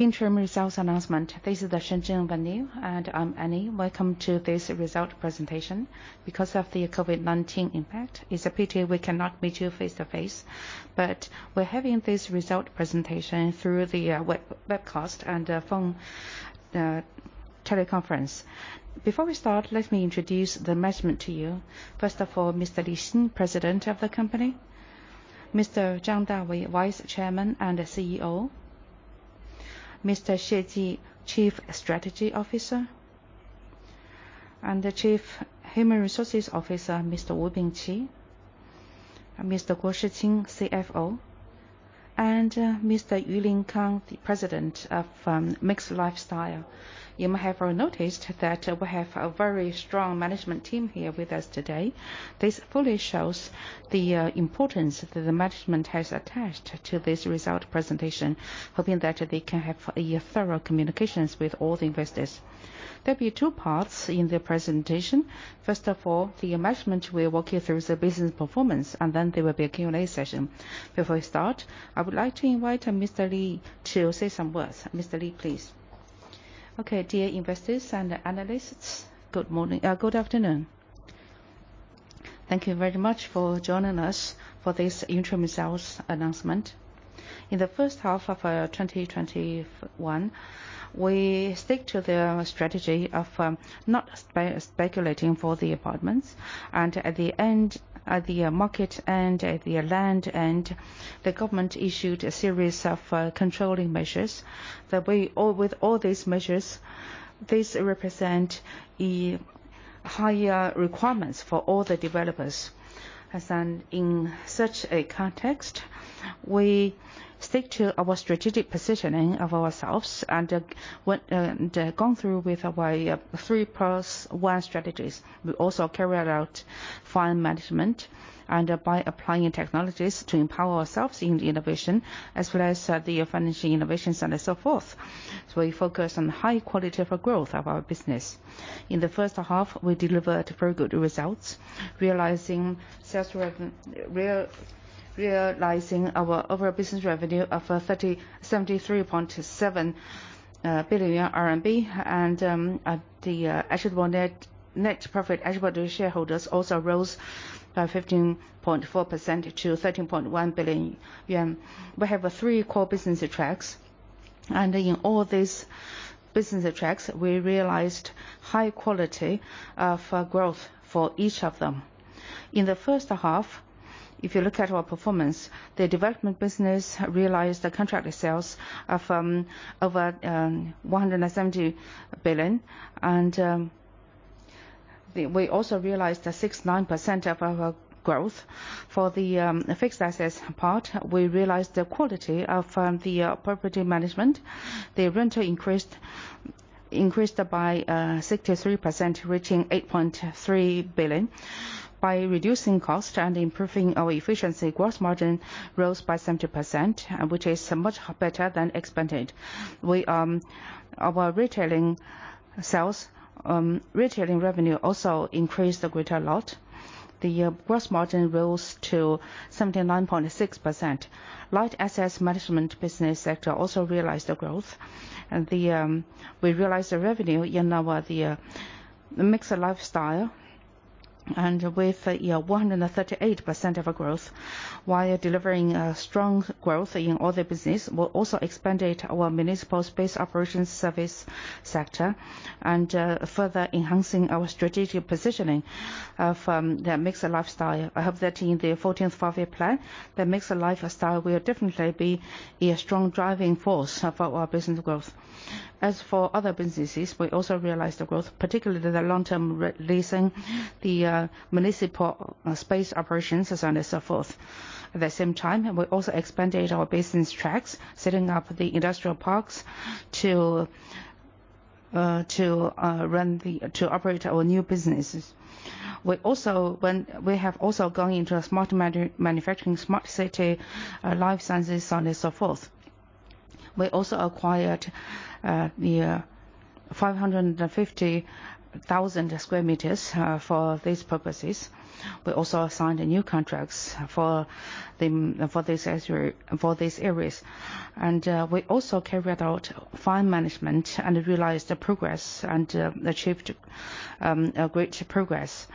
Interim results announcement. This is the Shenzhen Venue, and I'm Annie. Welcome to this result presentation. Because of the COVID-19 impact, it's a pity we cannot meet you face-to-face, but we're having this result presentation through the webcast and phone teleconference. Before we start, let me introduce the management to you. First of all, Mr. Li Xin, President of the company, Mr. Zhang Dawei, Vice Chairman and CEO, Mr. Xie Ji, Chief Strategy Officer, and the Chief Human Resource Officer, Mr. Wu Bingqi, Mr. Guo Shiqing, CFO, and Mr. Yu Linkang, the President of Mixc Lifestyle. You might have noticed that we have a very strong management team here with us today. This fully shows the importance that the management has attached to this result presentation, hoping that they can have thorough communications with all the investors. There'll be two parts in the presentation. The management will walk you through the business performance, and then there will be a Q&A session. Before we start, I would like to invite Mr. Li to say some words. Mr. Li, please. Okay. Dear investors and analysts, good afternoon. Thank you very much for joining us for this interim results announcement. In the first half of 2021, we stick to the strategy of not speculating for the apartments. At the market end, at the land end, the government issued a series of controlling measures. With all these measures, this represent a higher requirements for all the developers. In such a context, we stick to our strategic positioning of ourselves and have gone through with our three-plus-one strategies. We also carried out fund management and by applying technologies to empower ourselves in the innovation as well as the financial innovations and so forth. We focus on high quality for growth of our business. In the first half, we delivered very good results, realizing our overall business revenue of 73.7 billion RMB, and the net profit attributable to shareholders also rose by 15.4% to 13.1 billion yuan. We have three core business tracks and in all these business tracks, we realized high quality of growth for each of them. In the first half, if you look at our performance, the development business realized the contract sales of over CNY 170 billion. We also realized the 69% of our growth. For the fixed assets part, we realized the quality of the property management. The rental increased by 63%, reaching 8.3 billion. By reducing cost and improving our efficiency, gross margin rose by 70%, which is much better than expected. Our retailing revenue also increased a great lot. The gross margin rose to 79.6%. Light assets management business sector also realized the growth. We realized the revenue in our Mixc Lifestyle and with 138% of growth. While delivering strong growth in all the business, we also expanded our municipal space operations service sector and further enhancing our strategic positioning of the Mixc Lifestyle. I hope that in the 14th Five-Year Plan, that Mixc Lifestyle will definitely be a strong driving force for our business growth. As for other businesses, we also realized the growth, particularly the long-term leasing, the municipal space operations and so forth. At the same time, we also expanded our business tracks, setting up the industrial parks to operate our new businesses. We have also gone into smart manufacturing, smart city life sciences, and so forth. We also acquired 550,000 sq m for these purposes. We also signed new contracts for these areas. We also carried out fund management and realized the progress and achieved great progress.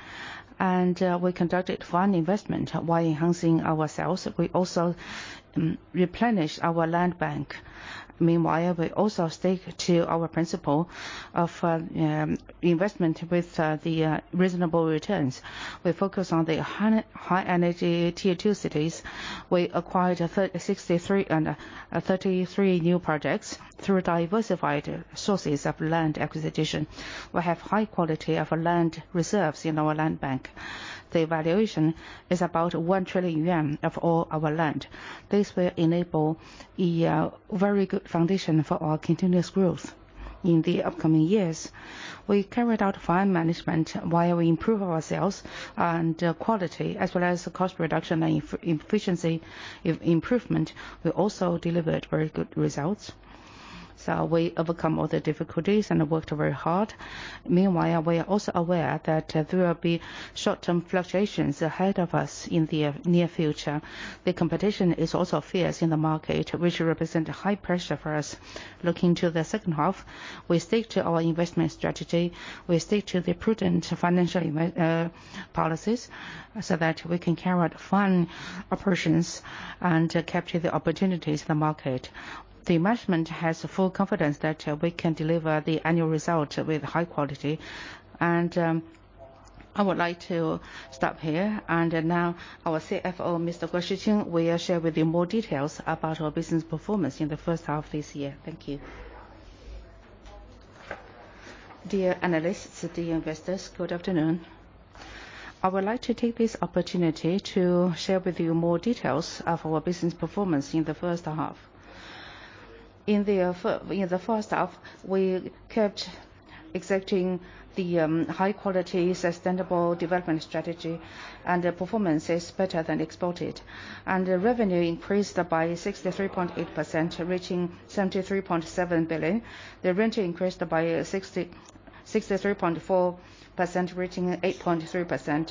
We conducted fund investment while enhancing ourselves. We also replenished our land bank. Meanwhile, we also stick to our principle of investment with the reasonable returns. We focus on the high energy Tier 2 cities. We acquired 63 and 33 new projects. Through diversified sources of land acquisition, we have high quality of land reserves in our land bank. The evaluation is about 1 trillion yuan of all our land. This will enable a very good foundation for our continuous growth in the upcoming years. We carried out fund management while we improve ourselves and quality as well as the cost reduction and efficiency improvement. We also delivered very good results. We overcome all the difficulties and worked very hard. Meanwhile, we are also aware that there will be short-term fluctuations ahead of us in the near future. The competition is also fierce in the market, which represent a high pressure for us. Looking to the second half, we stick to our investment strategy, we stick to the prudent financial policies so that we can carry out fund operations and capture the opportunities in the market. The management has full confidence that we can deliver the annual result with high quality. I would like to stop here and now our CFO, Mr. Guo Shiqing, will share with you more details about our business performance in the first half of this year. Thank you. Dear analysts, dear investors, good afternoon. I would like to take this opportunity to share with you more details of our business performance in the first half. In the first half, we kept executing the high-quality, sustainable development strategy, the performance is better than expected. The revenue increased by 63.8%, reaching 73.7 billion. The rent increased by 63.4%, reaching 8.3 billion.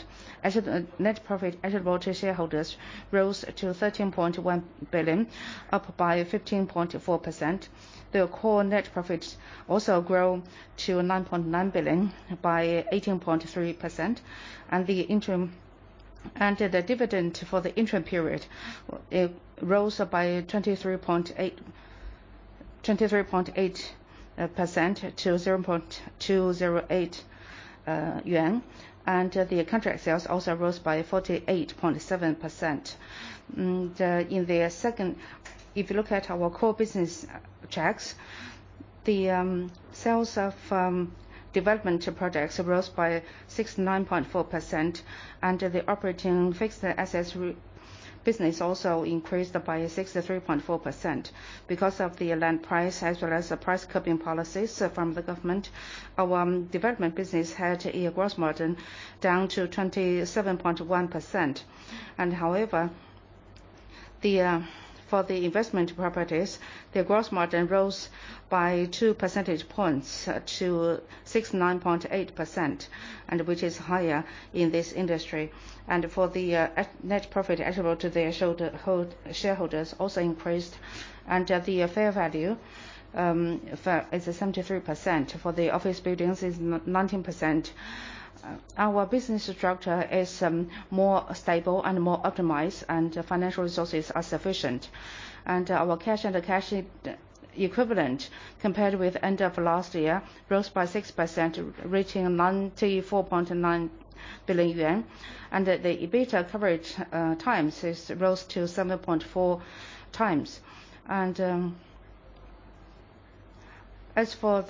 Net profit attributable to shareholders rose to 13.1 billion, up by 15.4%. The core net profit also grow to 9.9 billion by 18.3%. The dividend for the interim period rose by 23.8% to HKD 0.208. The contract sales also rose by 48.7%. If you look at our core business metrics, the sales of development products rose by 69.4%, and the operating fixed asset business also increased by 63.4%. Because of the land price as well as the price capping policies from the government, our development business had a gross margin down to 27.21%. However, for the investment properties, the gross margin rose by 2 percentage points to 69.8%, which is higher in this industry. For the net profit attributable to the shareholders also increased. The fair value is 73%, for the office buildings is 19%. Our business structure is more stable and more optimized. Financial resources are sufficient. Our cash and cash equivalent, compared with end of last year, rose by 6%, reaching 94.9 billion yuan. The EBITDA coverage times is rose to 7.4x. As for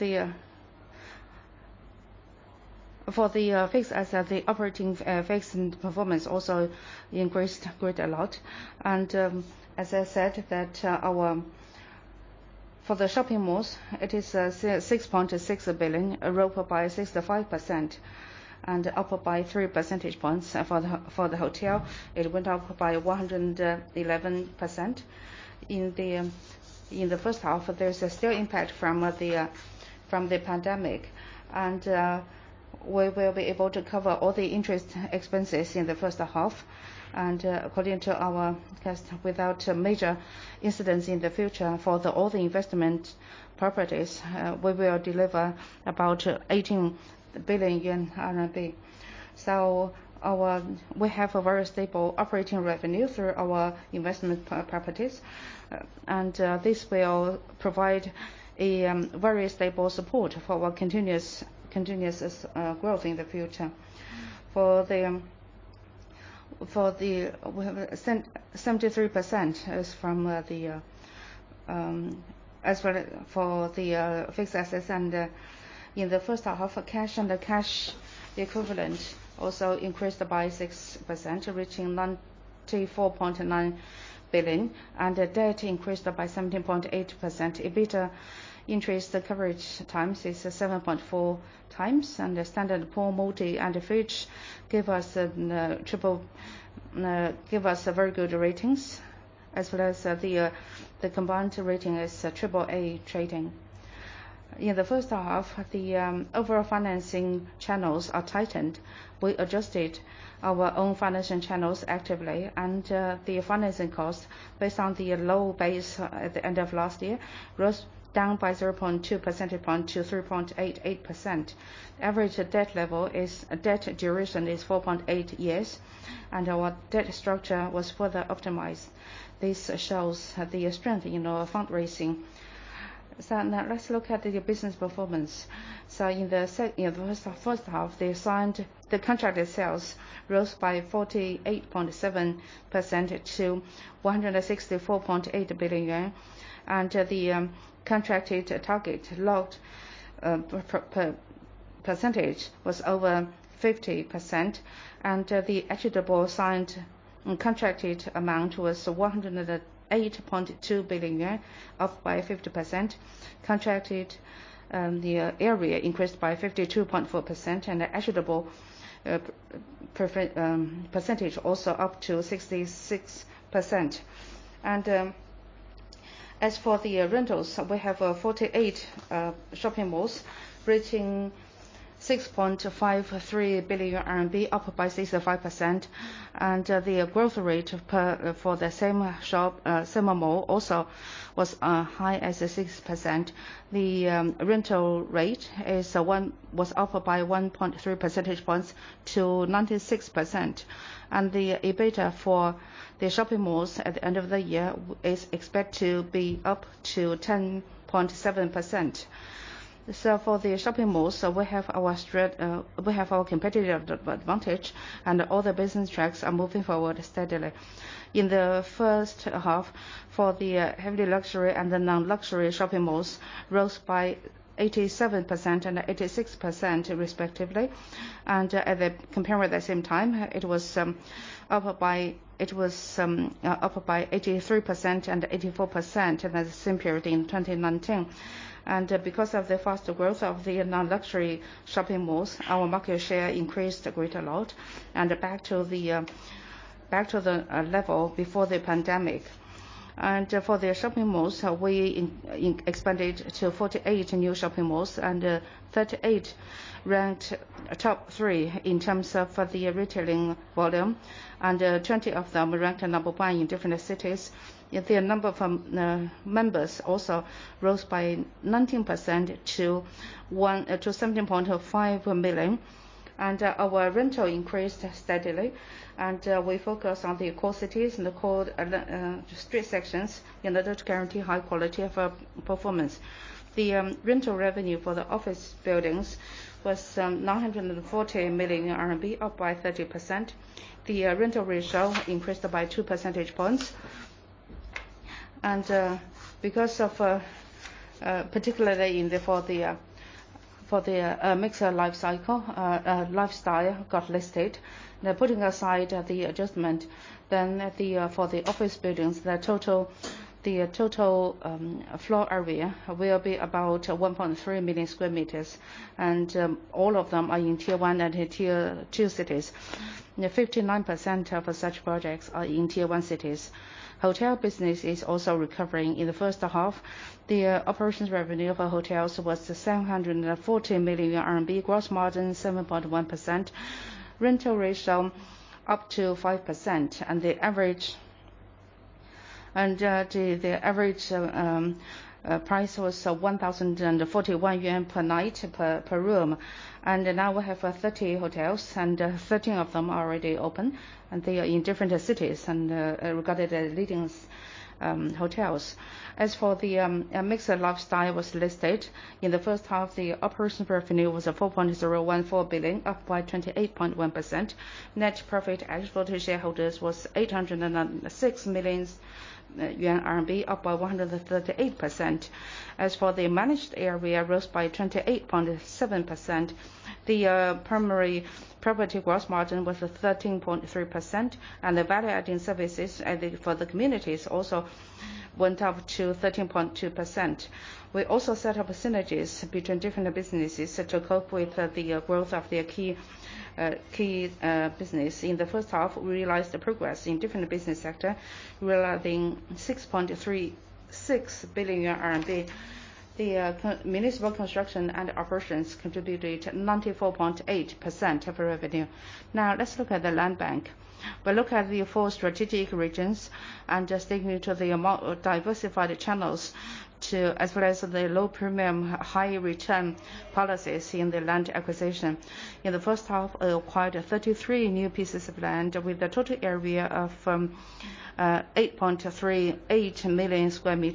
the operating fixed performance also increased quite a lot. As I said, that for the shopping malls, it is 6.6 billion, a rise by 65% and up by 3 percentage points. For the hotel, it went up by 111%. In the first half, there is still impact from the pandemic. We will be able to cover all the interest expenses in the first half. According to our test, without major incidents in the future, for all the investment properties, we will deliver about 18 billion yuan. We have a very stable operating revenue through our investment properties. This will provide a very stable support for our continuous growth in the future. We have 73% is from the fixed assets and in the first half cash and the cash equivalent also increased by 6%, reaching 94.9 billion, and debt increased by 17.8%. EBITDA interest coverage times is 7.4x, and Standard & Poor's, Moody's, and Fitch give us very good ratings, as well as the combined rating is AAA rating. In the first half, the overall financing channels are tightened. We adjusted our own financing channels actively, and the financing costs, based on the low base at the end of last year, goes down by 0.2%-3.88%. Average debt duration is 4.8 years, and our debt structure was further optimized. This shows the strength in our fundraising. Now let's look at the business performance. In the first half, the contracted sales rose by 48.7% to 164.8 billion yuan. The contracted target locked percentage was over 50%, and the attributable signed contracted amount was 108.2 billion yuan, up by 50%. Contracted the area increased by 52.4%, and the attributable percentage also up to 66%. As for the rentals, we have 48 shopping malls reaching 6.53 billion RMB, up by 65%. The growth rate for the same mall also was high as 6%. The rental rate was up by 1.3 percentage points to 96%. The EBITDA for the shopping malls at the end of the year is expected to be up to 10.7%. For the shopping malls, we have our competitive advantage, and all the business tracks are moving forward steadily. In the first half, for the heavy luxury and the non-luxury shopping malls rose by 87% and 86% respectively. Comparing with that same time, it was up by 83% and 84% in the same period in 2019. Because of the faster growth of the non-luxury shopping malls, our market share increased a greater lot and back to the level before the pandemic. For the shopping malls, we expanded to 48 new shopping malls, and 38 ranked top three in terms of the retailing volume. 20 of them ranked number one in different cities. The number of members also rose by 19% to 17.5 million. Our rental increased steadily. We focus on the core cities and the core street sections in order to guarantee high quality of performance. The rental revenue for the office buildings was 940 million RMB, up by 30%. The rental ratio increased by 2 percentage points. Because of, particularly for the Mixc Lifestyle got listed. Now putting aside the adjustment, then for the office buildings, the total floor area will be about 1.3 million sq m. All of them are in Tier 1 and Tier 2 cities. 59% of such projects are in Tier 1 cities. Hotel business is also recovering. In the first half, the operations revenue for hotels was 740 million RMB, gross margin 7.1%, rental ratio up to 5%. The average price was 1,041 yuan per night, per room. Now we have 30 hotels, and 13 of them are already open. They are in different cities and regarded as leading hotels. As for the Mixc Lifestyle was listed. In the first half, the operations revenue was 4.014 billion, up by 28.1%. Net profit as for the shareholders was 806 million yuan, up by 138%. As for the managed area, rose by 28.7%. The primary property gross margin was 13.3%, and the value-adding services for the communities also went up to 13.2%. We also set up synergies between different businesses so to cope with the growth of the key business. In the first half, we realized the progress in different business sector, realizing 6.36 billion RMB. The municipal construction and operations contributed 94.8% of revenue. Now, let's look at the land bank. We look at the four strategic regions just taking into the amount of diversified channels as well as the low premium, high return policies in the land acquisition. In the first half, we acquired 33 new pieces of land with a total area of 8.38 million sq m.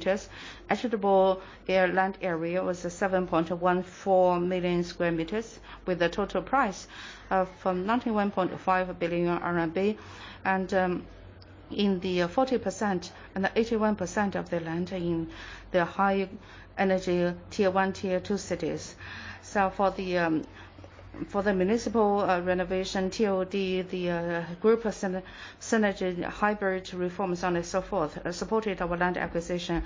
Suitable land area was 7.14 million sq m, with a total price of 91.5 billion RMB. 81% of the land in the high energy Tier 1, Tier 2 cities. For the municipal renovation, TOD, the group synergy, hybrid reforms and so forth, supported our land acquisition.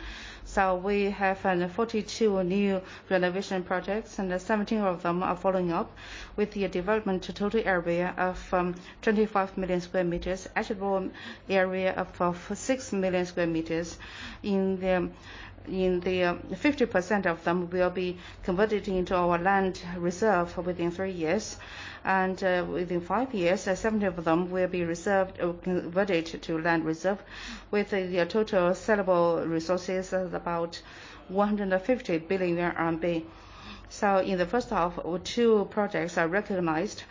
We have 42 new renovation projects and 17 of them are following up with the development to total area of 25 million sq m, actual area of 6 million sq m. 50% of them will be converted into our land reserve within three years. Within five years, 17 of them will be reserved or converted to land reserve, with the total sellable resources at about 150 billion RMB. In the first half, two projects are recognized.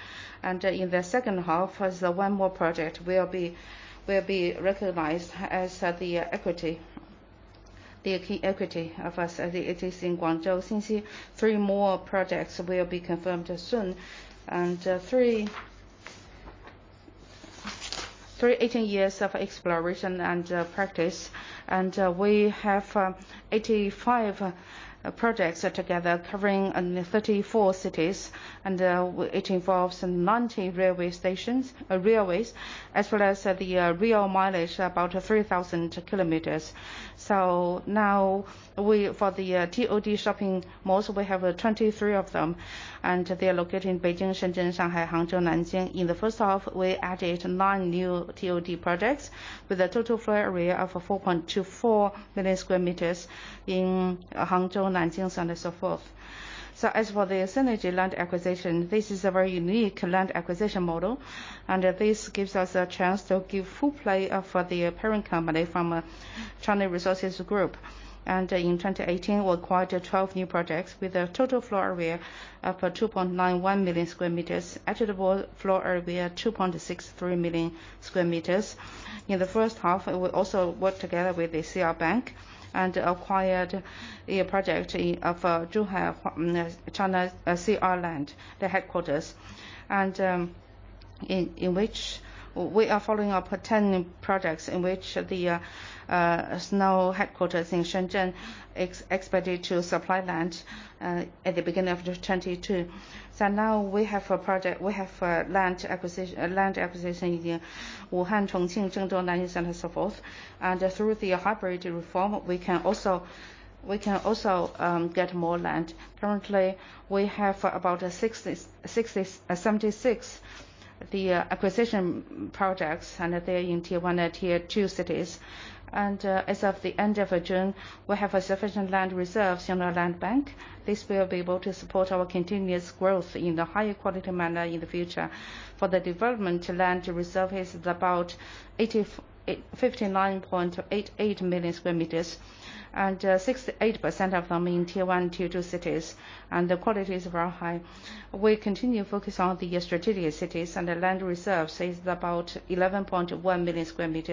In the second half, as one more project will be recognized as the key equity of us as it is in Guangzhou, Xinxi. Three more projects will be confirmed soon. Three 18 years of exploration and practice. We have 85 projects together covering in 34 cities, and it involves 90 railways, as well as the rail mileage about 3,000 km. Now, for the TOD shopping malls, we have 23 of them, and they are located in Beijing, Shenzhen, Shanghai, Hangzhou, Nanjing. In the first half, we added nine new TOD projects with a total floor area of 4.24 million sq m in Hangzhou, Nanjing so on and so forth. As for the synergy land acquisition, this is a very unique land acquisition model, and this gives us a chance to give full play for the parent company from China Resources Group. In 2018, we acquired 12 new projects with a total floor area of 2.91 million sq m, developable floor area 2.63 million sq m. In the first half, we also worked together with the CR bank and acquired a project of Zhuhai China CR Land, the headquarters. We are following up 10 projects in which the Snow headquarters in Shenzhen expected to supply land at the beginning of 2022. Now we have land acquisition in Wuhan, Chongqing, Zhengzhou, Nanjing and so forth. Through the hybrid reform, we can also get more land. Currently, we have about 76 acquisition projects, they're in Tier 1 and Tier 2 cities. As of the end of June, we have sufficient land reserves in our land bank. This will be able to support our continuous growth in the higher quality manner in the future. For the development land reserve is about 59.88 million sq m, 68% of them in Tier 1, Tier 2 cities. The quality is very high. We continue to focus on the strategic cities, the land reserves is about 11.1 million sq m.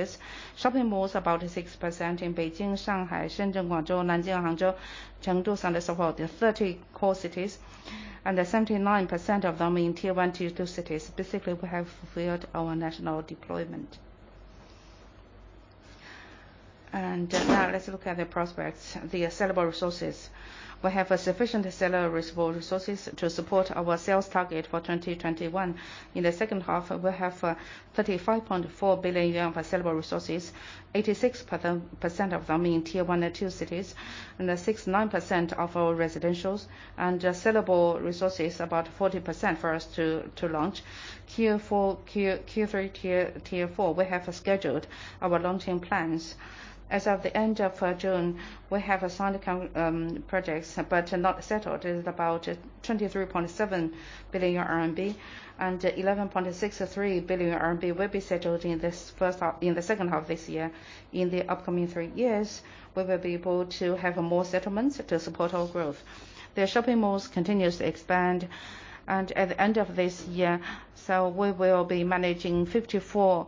Shopping malls about 6% in Beijing, Shanghai, Shenzhen, Guangzhou, Nanjing, Hangzhou, Chengdu and so forth, the 30 core cities, 79% of them in Tier 1, Tier 2 cities. Basically, we have fulfilled our national deployment. Now let's look at the prospects. The sellable resources. We have sufficient sellable resources to support our sales target for 2021. In the second half, we have 35.4 billion yuan for sellable resources, 86% of them in Tier 1 and two cities, and 69% of our residentials, and sellable resources about 40% for us to launch. Q3, Q4, we have scheduled our launching plans. As of the end of June, we have signed projects but not settled, is about 23.7 billion RMB, and 11.63 billion RMB will be settled in the second half this year. In the upcoming three years, we will be able to have more settlements to support our growth. The shopping malls continue to expand and at the end of this year, we will be managing 54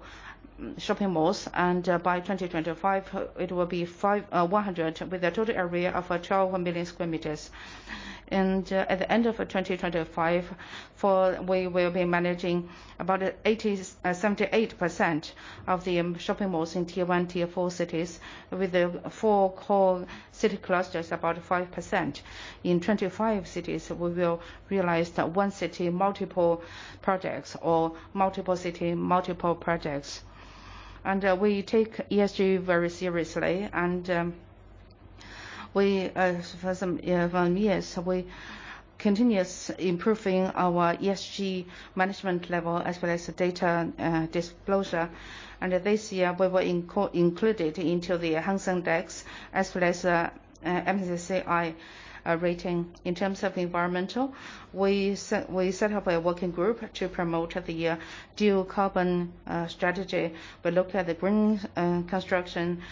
shopping malls, and by 2025 it will be 100, with a total area of 12 million sq m. At the end of 2025, we will be managing about 78% of the shopping malls in Tier 1, Tier 4 cities, with the four core city clusters about 5%. In 25 cities, we will realize that one city, multiple projects or multiple city, multiple projects. We take ESG very seriously and for some years, we continuously improving our ESG management level as well as data disclosure. This year we were included into the Hang Seng Index as well as MSCI rating. In terms of environmental, we set up a working group to promote the dual carbon strategy. We looked at the green construction,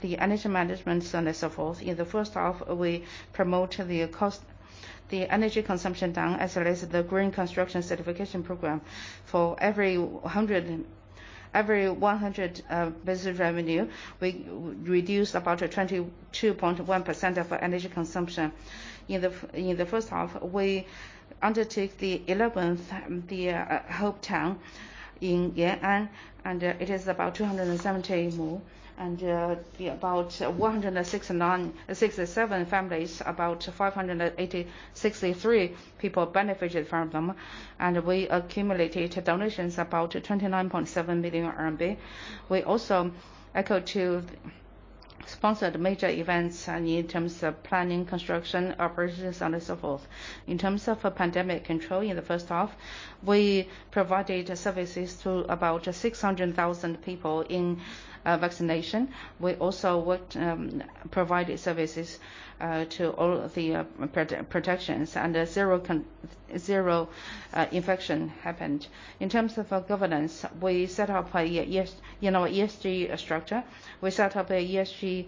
the energy management and so forth. In the first half, we promoted the energy consumption down as well as the Green Construction Certification program. For every 100 business revenue, we reduced about 22.1% of energy consumption. In the first half, we undertake the 11th Hope Town in Yan'an, and it is about 217 mu and about 167 families, about 563 people benefited from them. We accumulated donations about 29.7 million RMB. We also echo to sponsored major events in terms of planning, construction, operations and so forth. In terms of pandemic control in the first half, we provided services to about 600,000 people in vaccination. We also provided services to all the protections and zero infection happened. In terms of governance, we set up our ESG structure. We set up an ESG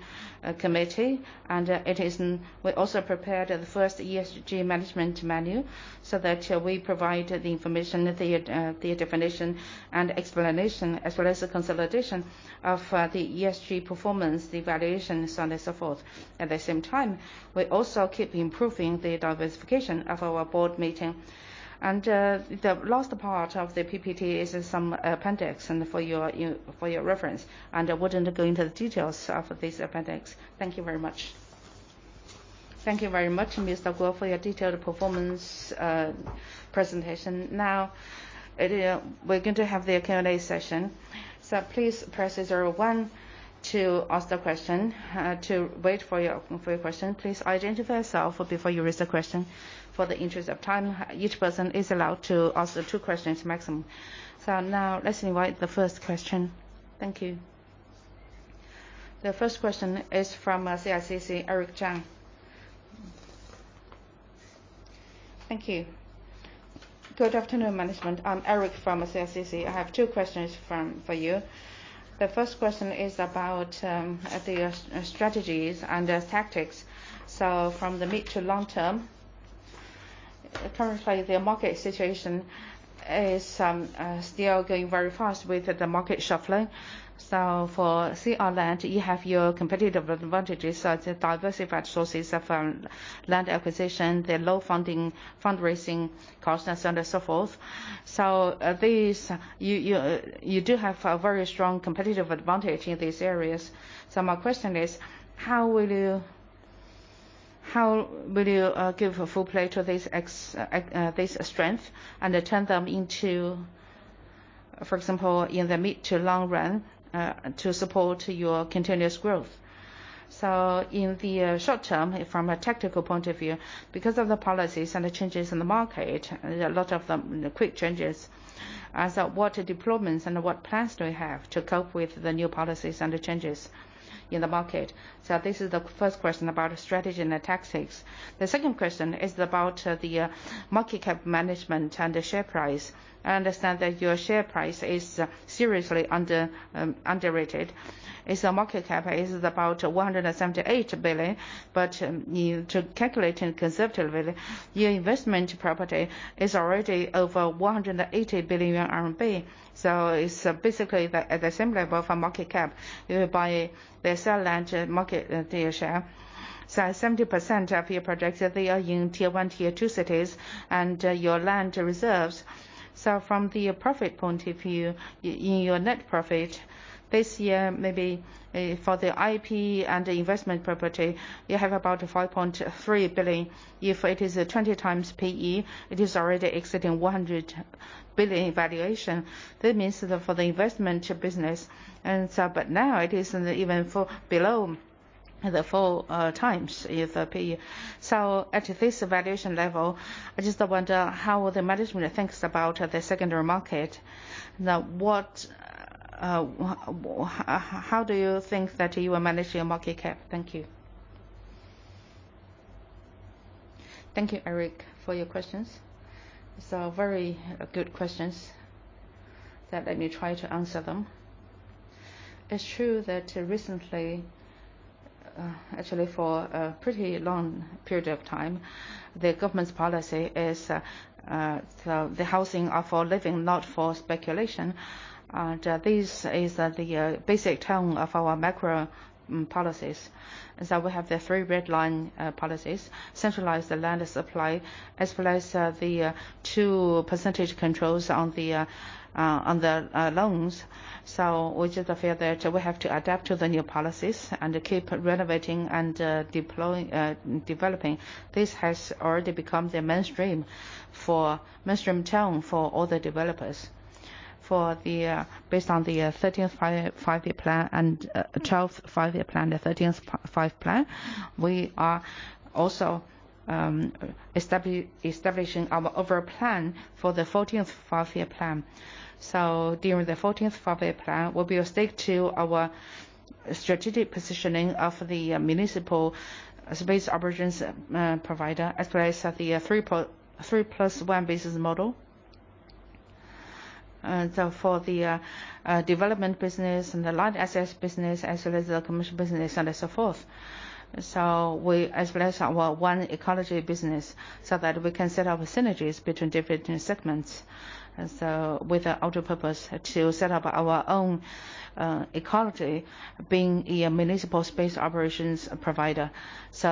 committee. We also prepared the first ESG management manual, so that we provide the information, the definition and explanation, as well as the consolidation of the ESG performance evaluations and so forth. At the same time, we also keep improving the diversification of our board meeting. The last part of the PPT is some appendix for your reference. I wouldn't go into the details of this appendix. Thank you very much. Thank you very much, Ms. Guo, for your detailed performance presentation. We're going to have the Q&A session. Please press zero one to ask the question. To wait for your question, please identify yourself before you ask the question. For the interest of time, each person is allowed to ask two questions maximum. Now let's invite the first question. Thank you. The first question is from CICC, Eric Zhang. Thank you. Good afternoon, management. I'm Eric from CICC. I have two questions for you. The first question is about the strategies and the tactics. From the mid to long term, currently, the market situation is still going very fast with the market shuffling. For CR Land, you have your competitive advantages, such as diversified sources of land acquisition, the low fundraising cost, and so on and so forth. You do have a very strong competitive advantage in these areas. My question is, how will you give full play to this strength and turn them into, for example, in the mid to long run, to support your continuous growth? In the short term, from a tactical point of view, because of the policies and the changes in the market, a lot of the quick changes, what deployments and what plans do you have to cope with the new policies and the changes in the market? This is the first question about strategy and the tactics. The second question is about the market cap management and the share price. I understand that your share price is seriously underrated, its market cap is about 178 billion. To calculate and conceptually, your investment property is already over 180 billion RMB. It is basically at the same level for market cap. You buy the sale land market share. 70% of your projects, they are in Tier 1, Tier 2 cities and your land reserves. From the profit point of view, in your net profit this year, maybe for the IP and the investment property, you have about 5.3 billion. If it is 20x PE, it is already exceeding 100 billion valuation. That means for the investment business. Now it is even below the 4x PE. At this valuation level, I just wonder how the management thinks about the secondary market. How do you think that you will manage your market cap? Thank you. Thank you, Eric, for your questions. Very good questions. Let me try to answer them. It's true that recently, actually, for a pretty long period of time, the government's policy is the housing are for living, not for speculation. This is the basic tone of our macro policies. We have the Three Red Lines policies, centralize the land supply, as well as the 2% controls on the loans. We just feel that we have to adapt to the new policies and keep renovating and developing. This has already become the mainstream tone for all the developers. Based on the 13th Five-Year Plan and 12th Five-Year Plan, the 13th Five-Year Plan, we are also establishing our overall plan for the 14th Five-Year Plan. During the 14th Five-Year Plan, we will stick to our strategic positioning of the municipal space operations provider, as well as the 3+1 business model. For the development business and the land assets business, as well as the commercial business and so forth. As well as our One Ecology Business, so that we can set up synergies between different segments. With the ultimate purpose to set up our own ecology being a municipal space operations provider.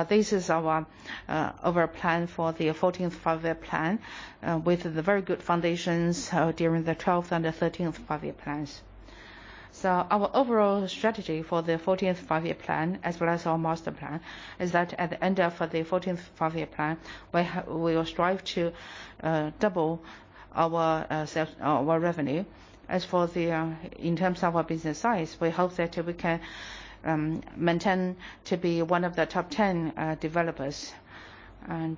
This is our overall plan for the 14th Five-Year Plan, with the very good foundations during the 12th and the 13th Five-Year Plans. Our overall strategy for the 14th Five-Year Plan, as well as our master plan, is that at the end of the 14th Five-Year Plan, we will strive to double our revenue. As for in terms of our business size, we hope that we can maintain to be one of the top 10 developers. In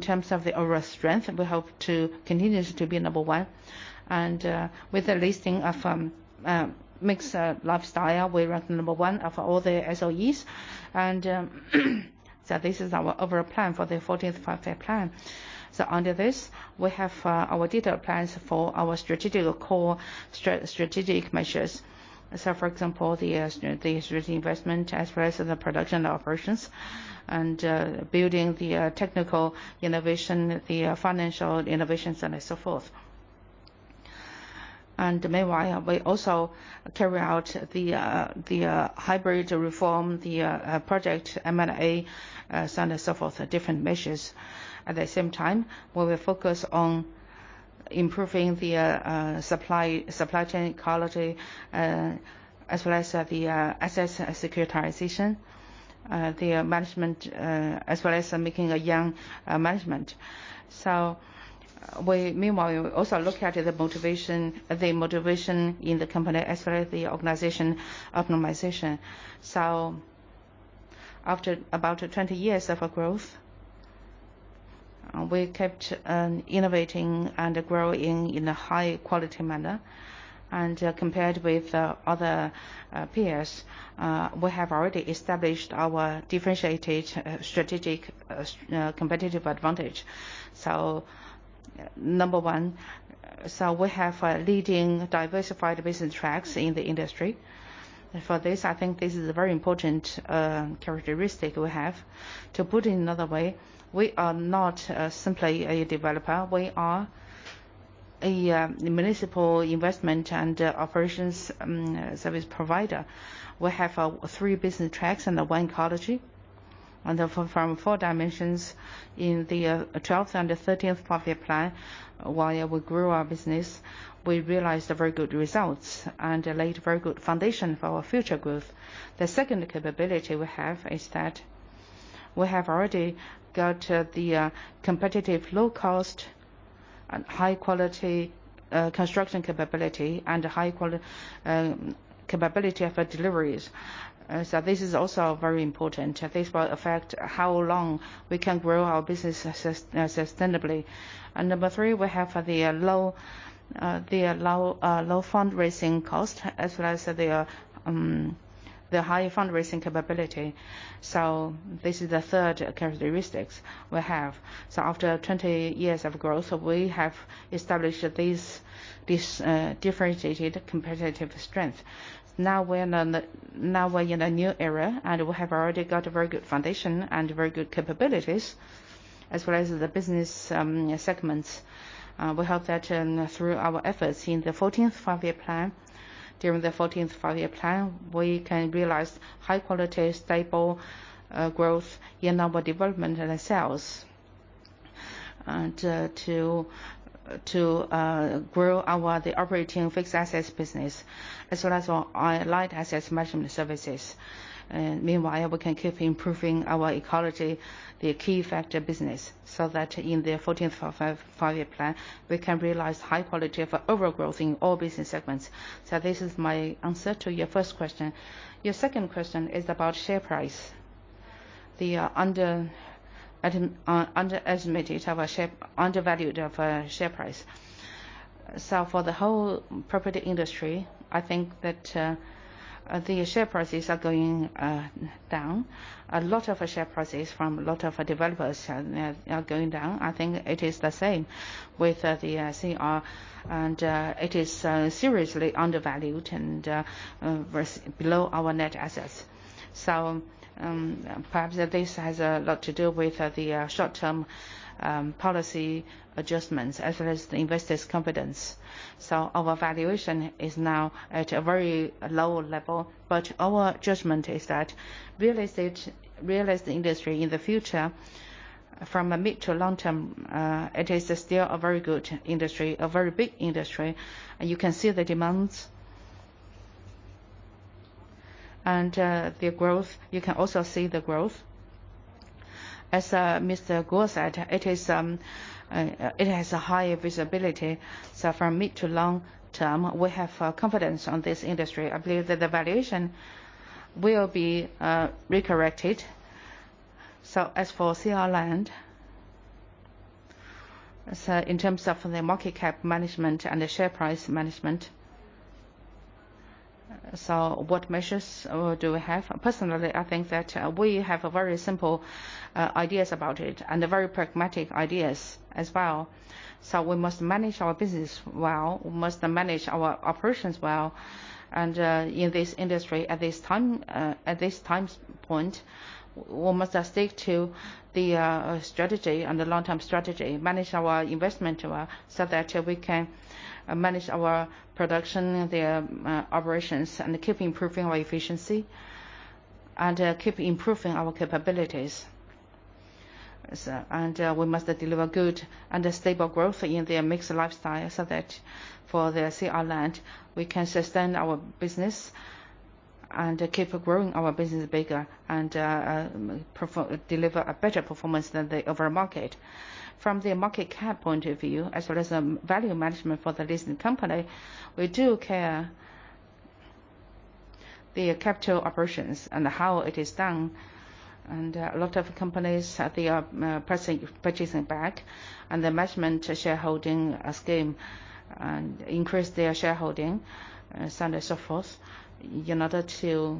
terms of the overall strength, we hope to continue to be number one. With the listing of Mixc Lifestyle Services, we rank number one of all the SOEs. This is our overall plan for the 14th Five-Year Plan. Under this, we have our detailed plans for our strategic measures. For example, the strategic investment as well as the production operations and building the technical innovation, the financial innovations and so forth. Meanwhile, we also carry out the hybrid reform, the project M&A, so on and so forth, different measures. At the same time, we will focus on improving the supply chain quality, as well as the asset securitization, the management, as well as making a young management. Meanwhile, we also look at the motivation in the company as well as the organization optimization. After about 20 years of growth, we kept innovating and growing in a high-quality manner. Compared with other peers, we have already established our differentiated strategic competitive advantage. Number one, we have leading diversified business tracks in the industry. For this, I think this is a very important characteristic we have. To put it another way, we are not simply a developer. We are a municipal investment and operations service provider. We have three business tracks and one ecology, and from four dimensions in the 12th and the 13th Five-Year Plan, while we grew our business, we realized very good results and laid a very good foundation for our future growth. The second capability we have is that we have already got the competitive low-cost and high-quality construction capability and high capability for deliveries. This is also very important. This will affect how long we can grow our business sustainably. Number three, we have the low fundraising cost, as well as the high fundraising capability. This is the third characteristic we have. After 20 years of growth, we have established this differentiated competitive strength. Now we're in a new era, and we have already got a very good foundation and very good capabilities, as well as the business segments. We hope that through our efforts during the 14th Five-Year Plan, we can realize high-quality, stable growth in our development and sales, and to grow our operating fixed assets business, as well as our light assets management services. We can keep improving our ecology, the key factor business, so that in the 14th Five-Year Plan, we can realize high quality for overgrowth in all business segments. This is my answer to your first question. Your second question is about share price. The underestimated or undervalued of share price. For the whole property industry, I think that the share prices are going down. A lot of share prices from a lot of developers are going down. I think it is the same with the CR. It is seriously undervalued and below our net assets. Perhaps this has a lot to do with the short-term policy adjustments, as well as the investors' confidence. Our valuation is now at a very low level, but our judgment is that real estate industry in the future, from a mid- to long-term, it is still a very good industry, a very big industry. You can see the demands and their growth. You can also see the growth. As Mr. Guo said, it has a high visibility. From mid- to long-term, we have confidence in this industry. I believe that the valuation will be recorrected. As for CR Land, in terms of the market cap management and the share price management, what measures do we have? Personally, I think that we have very simple ideas about it and very pragmatic ideas as well. We must manage our business well, we must manage our operations well. In this industry at this time point, we must stick to the strategy and the long-term strategy, manage our investment well, so that we can manage our production, the operations, and keep improving our efficiency and keep improving our capabilities. We must deliver good and stable growth in the Mixc Lifestyle, so that for CR Land, we can sustain our business and keep growing our business bigger and deliver a better performance than the overall market. From the market cap point of view, as well as value management for the listed company, we do care the capital operations and how it is done. A lot of companies, they are purchasing back and the management shareholding scheme increase their shareholding and so on and so forth in order to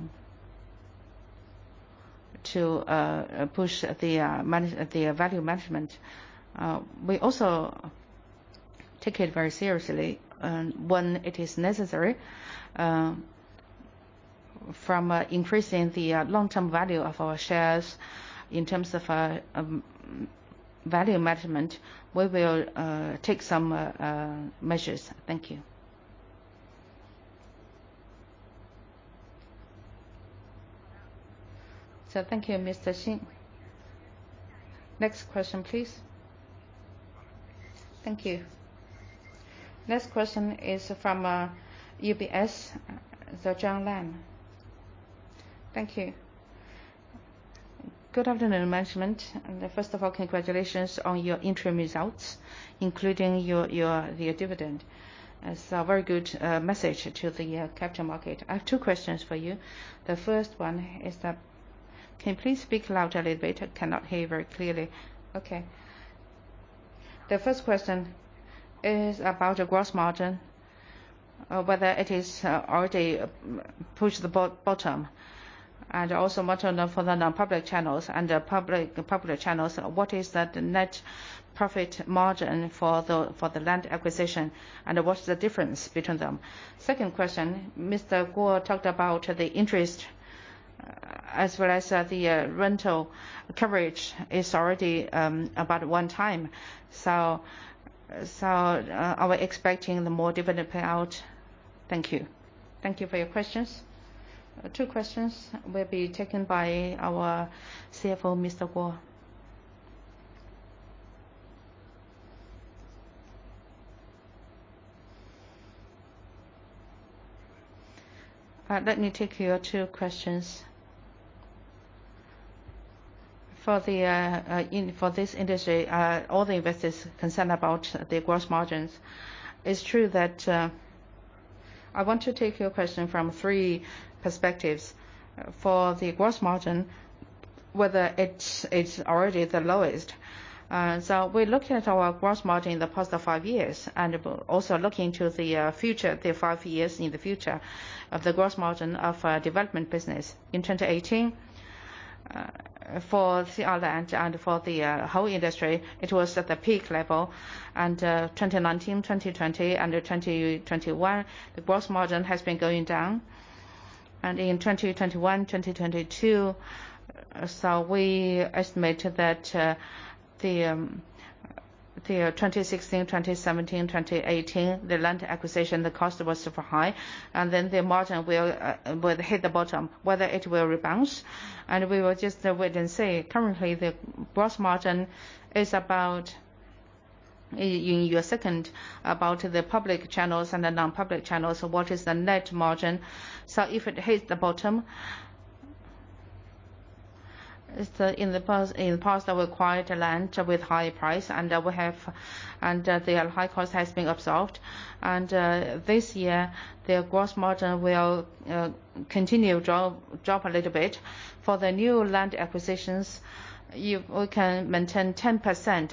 push the value management. We also take it very seriously when it is necessary. From increasing the long-term value of our shares in terms of value management, we will take some measures. Thank you. Thank you, Mr. Li Xin. Next question, please. Thank you. Next question is from UBS, John Lam. Thank you. Good afternoon, management. First of all, congratulations on your interim results, including your dividend. It's a very good message to the capital market. I have two questions for you. The first one is. Can you please speak louder a little bit? I cannot hear very clearly. Okay. The first question is about gross margin, whether it has already pushed the bottom, and also margin for the non-public channels and the public channels. What is the net profit margin for the land acquisition, and what is the difference between them? Second question, Mr. Guo Shiqing talked about the interest as well as the rental coverage is already about one time. Are we expecting more dividend payout? Thank you. Thank you for your questions. Two questions will be taken by our CFO, Mr. Guo. Let me take your two questions. For this industry, all the investors concerned about the gross margins. I want to take your question from three perspectives for the gross margin, whether it's already the lowest. We looked at our gross margin in the past five years and also look into the future, the five years in the future, of the gross margin of development business. In 2018, for CR Land and for the whole industry, it was at the peak level. 2019, 2020, and 2021, the gross margin has been going down. In 2021, 2022, we estimated that the 2016, 2017, 2018, the land acquisition, the cost was super high, the margin will hit the bottom, whether it will rebound, we will just wait and see. Currently, the gross margin is about, in your second, about the public channels and the non-public channels, what is the net margin? If it hits the bottom, in the past, we acquired land with high price and the high cost has been absorbed. This year, the gross margin will continue drop a little bit. For the new land acquisitions, we can maintain 10%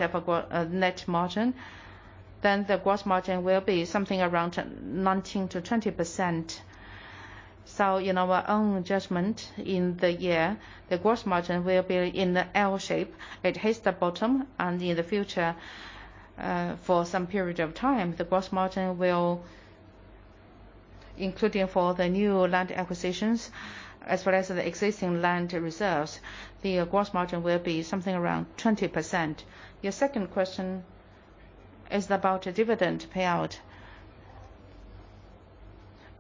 of net margin, then the gross margin will be something around 19%-20%. In our own judgment, in the year, the gross margin will be in the L-shape. It hits the bottom and in the future, for some period of time, the gross margin will, including for the new land acquisitions as well as the existing land reserves, the gross margin will be something around 20%. Your second question is about dividend payout.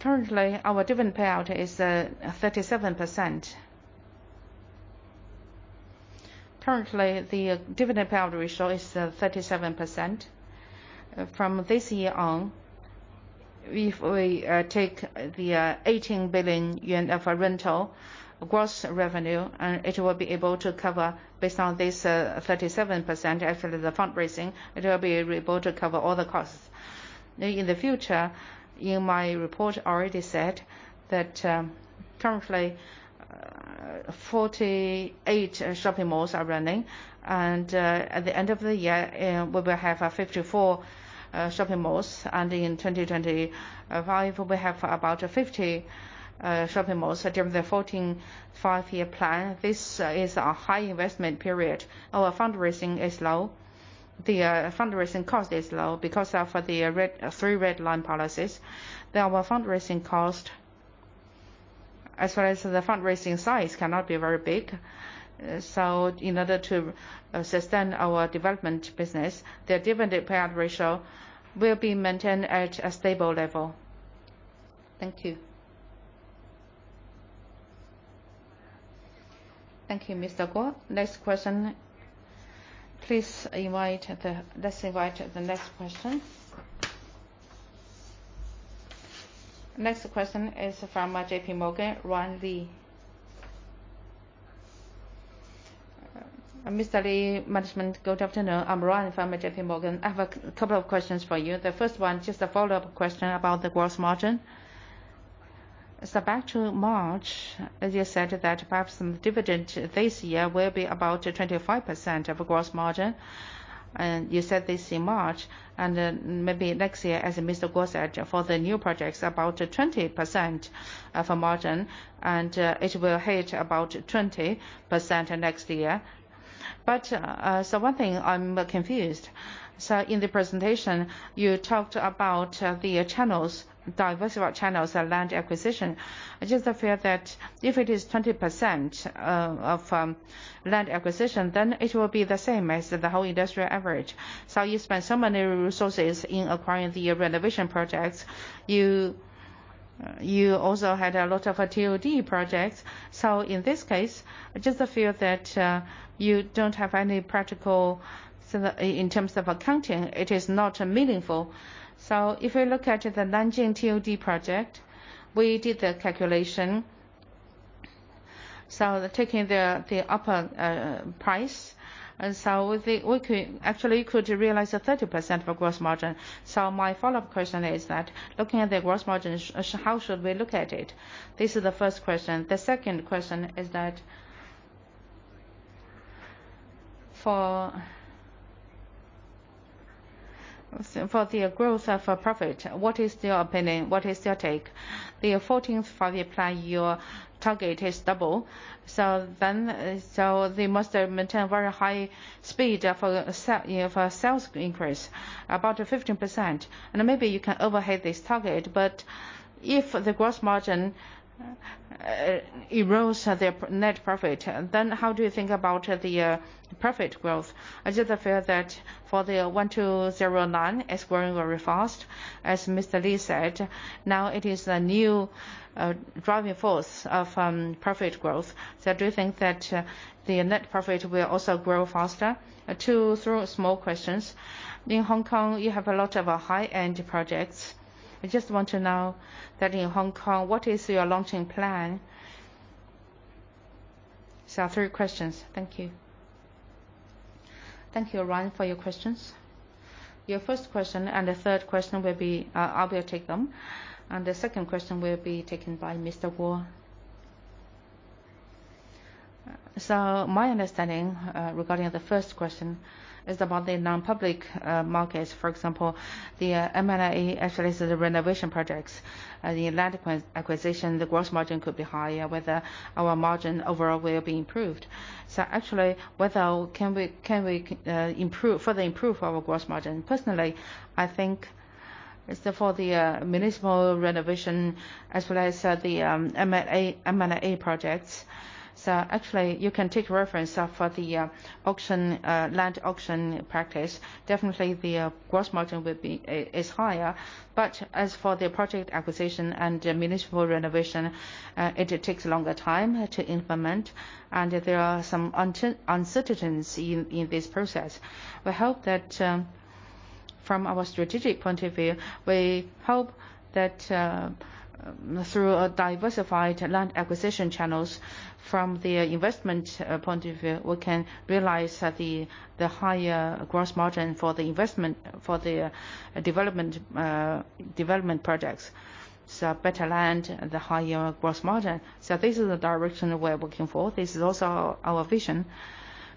Currently, our dividend payout is 37%. Currently, the dividend payout ratio is 37%. From this year on, if we take the 18 billion yuan of rental gross revenue, and it will be able to cover based on this 37%, after the fundraising, it will be able to cover all the costs. In the future, in my report, I already said that currently 48 shopping malls are running and at the end of the year, we will have 54 shopping malls, and in 2025, we have about 50 shopping malls during the 14th Five-Year Plan. This is a high investment period. Our fundraising is low. The fundraising cost is low because of the Three Red Lines policies. Our fundraising cost as well as the fundraising size cannot be very big. In order to sustain our development business, the dividend payout ratio will be maintained at a stable level. Thank you. Thank you, Mr. Guo. Next question, please. Let's invite the next question. Next question is from JPMorgan, Ron Leung. Mr. Li, management, good afternoon. I'm Ron from JPMorgan. I have a couple of questions for you. The first one, just a follow-up question about the gross margin. Back to March, as you said that perhaps some dividend this year will be about 25% of gross margin, and you said this in March. Maybe next year, as Mr. Guo said, for the new projects, about 20% of margin and it will hit about 20% next year. One thing I'm confused. In the presentation, you talked about the channels, diversified channels of land acquisition. I just feel that if it is 20% of land acquisition, then it will be the same as the whole industrial average. You spend so many resources in acquiring the renovation projects. You also had a lot of TOD projects. In this case, I just feel that you don't have any practical, in terms of accounting, it is not meaningful. If you look at the Nanjing TOD project, we did the calculation. Taking the upper price, and so we actually could realize a 30% for gross margin. My follow-up question is that looking at the gross margins, how should we look at it? This is the first question. The second question is that. For the growth of profit, what is your opinion? What is your take? The 14th Five-Year Plan, your target is double. They must maintain very high speed for sales increase, about 15%. Maybe you can overheat this target, if the gross margin erodes their net profit, how do you think about the profit growth? I just feel that for the 1209, it's growing very fast, as Mr. Li Xin said. It is a new driving force of profit growth. I do think that the net profit will also grow faster. Two, three small questions. In Hong Kong, you have a lot of high-end projects. I just want to know that in Hong Kong, what is your launching plan? Three questions. Thank you. Thank you, Ron, for your questions. Your first question and the third question, I will take them, and the second question will be taken by Mr. Guo Shiqing. My understanding regarding the first question is about the non-public markets, for example, the M&A, actually, this is a renovation project. The land acquisition, the gross margin could be higher, whether our margin overall will be improved. Actually, can we further improve our gross margin? Personally, I think as for the municipal renovation, as well as the M&A projects, actually, you can take reference for the land auction practice, definitely the gross margin is higher. As for the project acquisition and municipal renovation, it takes a longer time to implement, and there are some uncertainty in this process. From our strategic point of view, we hope that through a diversified land acquisition channels, from the investment point of view, we can realize the higher gross margin for the investment for the development projects. Better land, the higher gross margin. This is the direction we are working for. This is also our vision.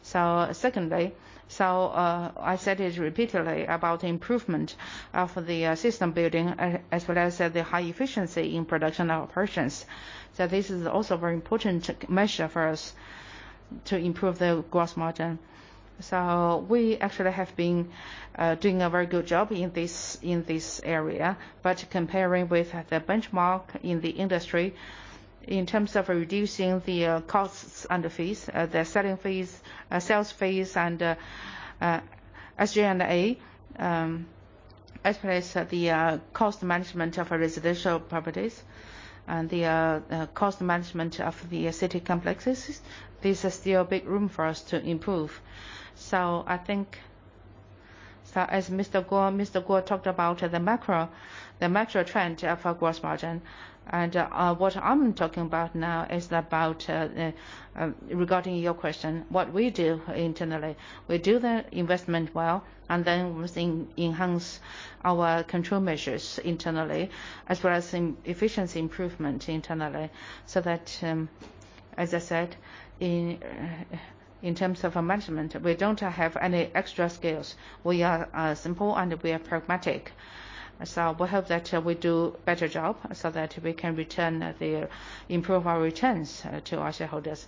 Secondly, I said it repeatedly about the improvement of the system building, as well as the high efficiency in production operations. This is also a very important measure for us to improve the gross margin. We actually have been doing a very good job in this area. Comparing with the benchmark in the industry, in terms of reducing the costs and the fees, the selling fees, sales fees and SG&A, as well as the cost management of residential properties and the cost management of the city complexes, this is still a big room for us to improve. I think as Mr. Guo Shiqing talked about the macro trend for gross margin, and what I'm talking about now is about regarding your question, what we do internally. We do the investment well. We enhance our control measures internally, as well as efficiency improvement internally. As I said, in terms of management, we don't have any extra skills. We are simple. We are pragmatic. We hope that we do a better job so that we can improve our returns to our shareholders.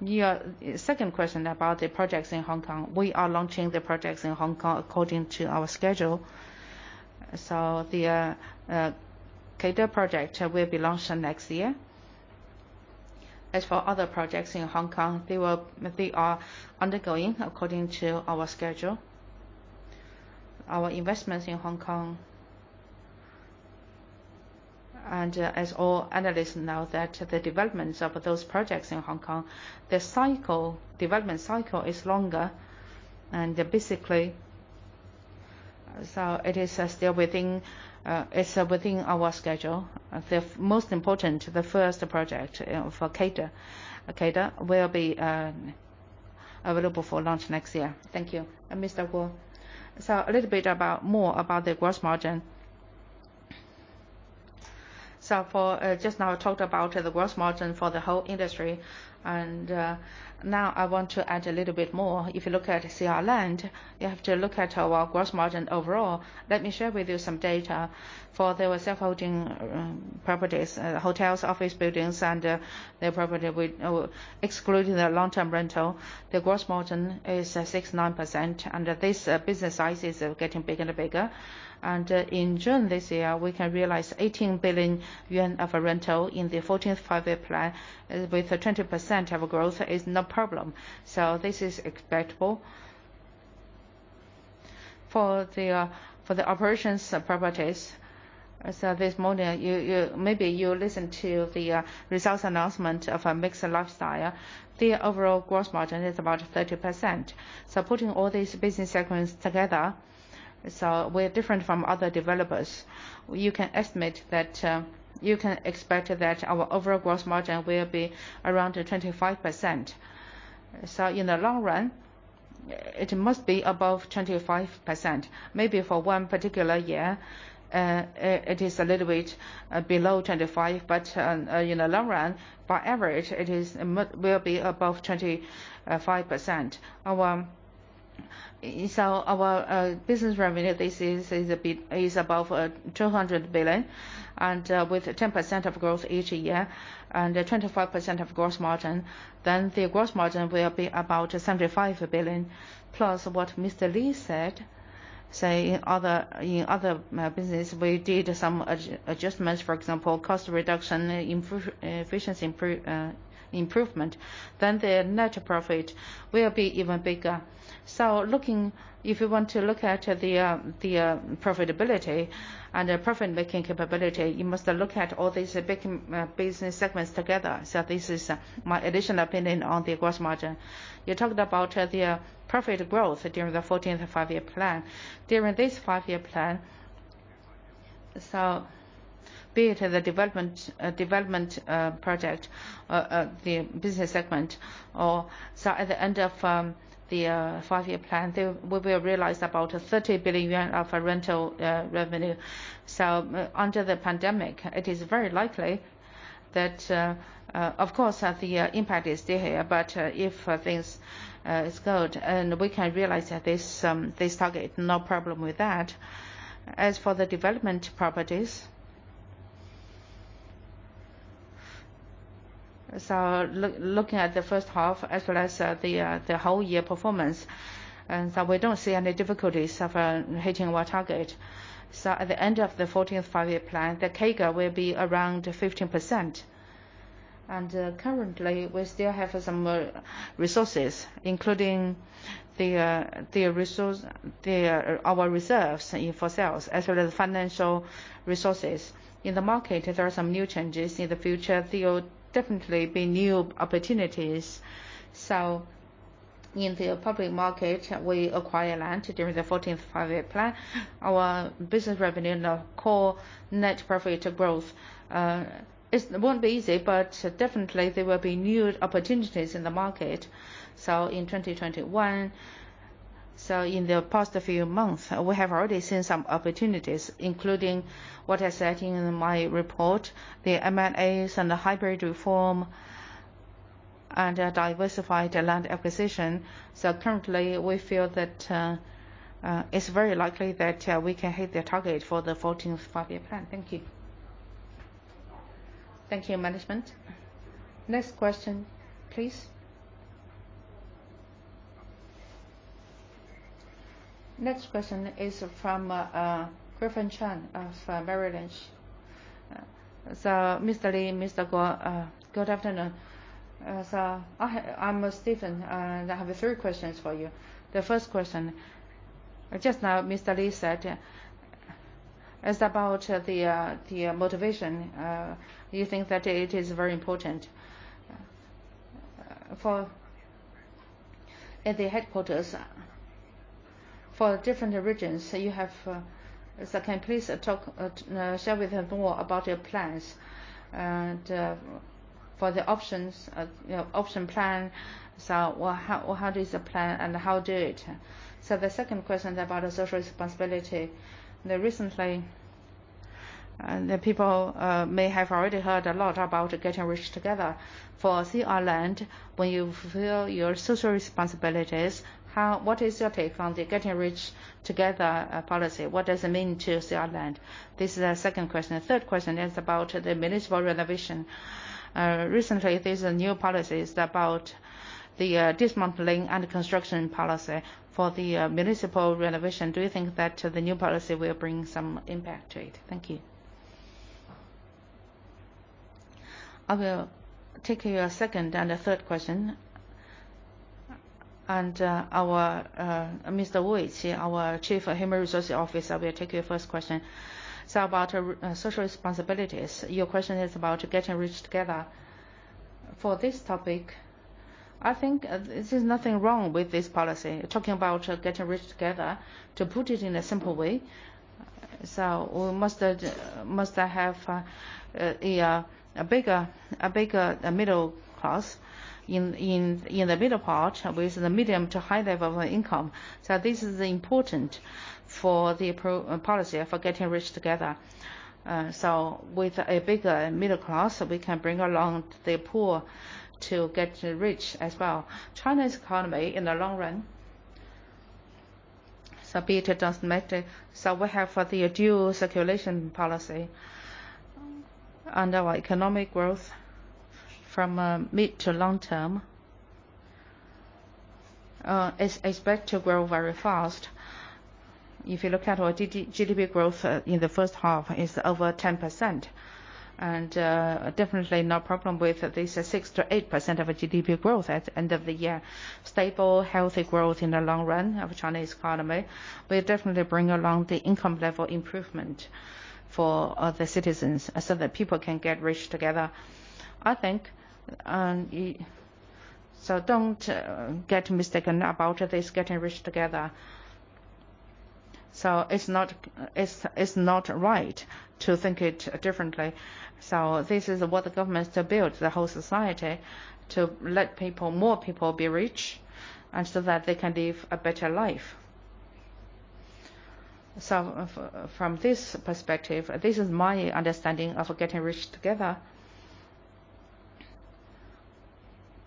Your second question about the projects in Hong Kong. We are launching the projects in Hong Kong according to our schedule. The Kado project will be launched next year. As for other projects in Hong Kong, they are undergoing according to our schedule. Our investments in Hong Kong. As all analysts know, the developments of those projects in Hong Kong, the development cycle is longer, and basically, it's within our schedule. The most important, the first project for Kado, will be available for launch next year. Thank you. Mr. Guo. A little bit more about the gross margin. For just now, I talked about the gross margin for the whole industry, and now I want to add a little bit more. If you look at CR Land, you have to look at our gross margin overall. Let me share with you some data. For the self-holding properties, hotels, office buildings, and the property excluding the long-term rental, the gross margin is 69%, and this business size is getting bigger and bigger. In June this year, we can realize 18 billion yuan of rental in the 14th Five-Year Plan with a 20% of growth is no problem. This is expectable. For the operations properties. This morning, maybe you listen to the results announcement of Mixc Lifestyle. The overall gross margin is about 30%. Putting all these business segments together, we are different from other developers. You can expect that our overall gross margin will be around 25%. In the long run, it must be above 25%. Maybe for one particular year, it is a little bit below 25, but in the long run, on average, it will be above 25%. Our business revenue this is a bit above 200 billion, and with 10% of growth each year and 25% of gross margin, the gross margin will be about 75 billion, plus what Mr. Li said, in other business, we did some adjustments. For example, cost reduction, efficiency improvement, the net profit will be even bigger. If you want to look at the profitability and the profit-making capability, you must look at all these big business segments together. This is my additional opinion on the gross margin. You talked about the profit growth during the 14th Five-Year Plan. During this Five-Year Plan, be it the development project, the business segment, or at the end of the Five-Year Plan, we will realize about 30 billion yuan of rental revenue. Under the pandemic, it is very likely that, of course, the impact is still here, but if things are good, we can realize this target, no problem with that. As for the development properties, looking at the first half as well as the whole year performance, we don't see any difficulties of hitting our target. At the end of the 14th Five-Year Plan, the CAGR will be around 15%. Currently, we still have some resources, including our reserves for sales as well as financial resources. In the market, if there are some new changes in the future, there will definitely be new opportunities. In the public market, we acquire land during the 14th Five-Year Plan. Our business revenue in the core net profit growth, it won't be easy, but definitely there will be new opportunities in the market. In 2021, in the past few months, we have already seen some opportunities, including what I said in my report, the M&As and the hybrid reform and diversified land acquisition. Currently, we feel that it's very likely that we can hit the target for the 14th Five-Year Plan. Thank you. Thank you, management. Next question, please. Next question is from Griffin Chan of Merrill Lynch. Mr. Li, Mr. Guo, good afternoon. I'm Stephen, and I have three questions for you. The first question, just now, Mr. Li said, is about the motivation. Do you think that it is very important? At the headquarters for different regions, can you please share with us more about your plans? For the option plan, how is the plan and how do it? The second question about social responsibility. Recently, people may have already heard a lot about getting rich together. For China Resources Land, when you fulfill your social responsibilities, what is your take on the getting rich together policy? What does it mean to China Resources Land? This is the second question. The third question is about the municipal renovation. Recently, there's new policies about the dismantling and construction policy for the municipal renovation. Do you think that the new policy will bring some impact to it? Thank you. I will take your second and the third question. Mr. Wu Bingqi, our Chief Human Resources Officer, will take your first question. About social responsibilities, your question is about getting rich together. For this topic, I think there's nothing wrong with this policy, talking about getting rich together. To put it in a simple way, we must have a bigger middle class in the middle part with the medium to high level of income. This is important for the policy for getting rich together. With a bigger middle class, we can bring along the poor to get rich as well. China's economy, in the long run, be it doesn't matter. We have the dual circulation policy and our economic growth from mid to long term is expected to grow very fast. If you look at our GDP growth in the first half, it's over 10%. Definitely no problem with this 6%-8% of GDP growth at the end of the year. Stable, healthy growth in the long run of Chinese economy will definitely bring along the income level improvement for the citizens so that people can get rich together. Don't get mistaken about this getting rich together. It's not right to think it differently. This is what the government built the whole society to let more people be rich, and so that they can live a better life. From this perspective, this is my understanding of getting rich together.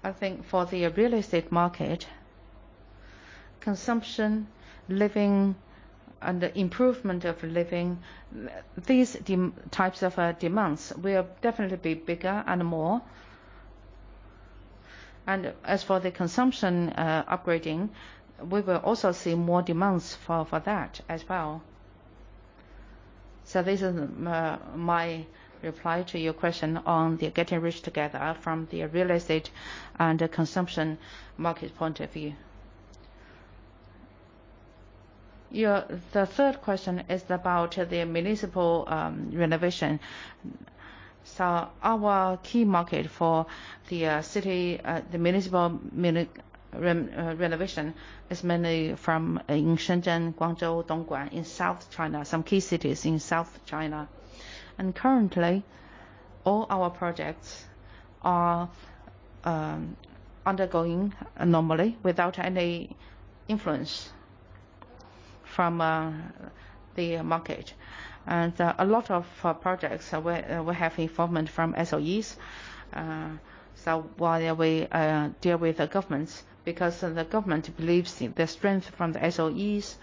I think for the real estate market, consumption, living, and the improvement of living, these types of demands will definitely be bigger and more. As for the consumption upgrading, we will also see more demands for that as well. This is my reply to your question on the getting rich together from the real estate and the consumption market point of view. The third question is about the municipal renovation. Our key market for the municipal renovation is mainly from in Shenzhen, Guangzhou, Dongguan in South China, some key cities in South China. Currently, all our projects are undergoing normally without any influence from the market. A lot of projects we have involvement from SOEs. While we deal with the governments, because the government believes the strength from the SOEs,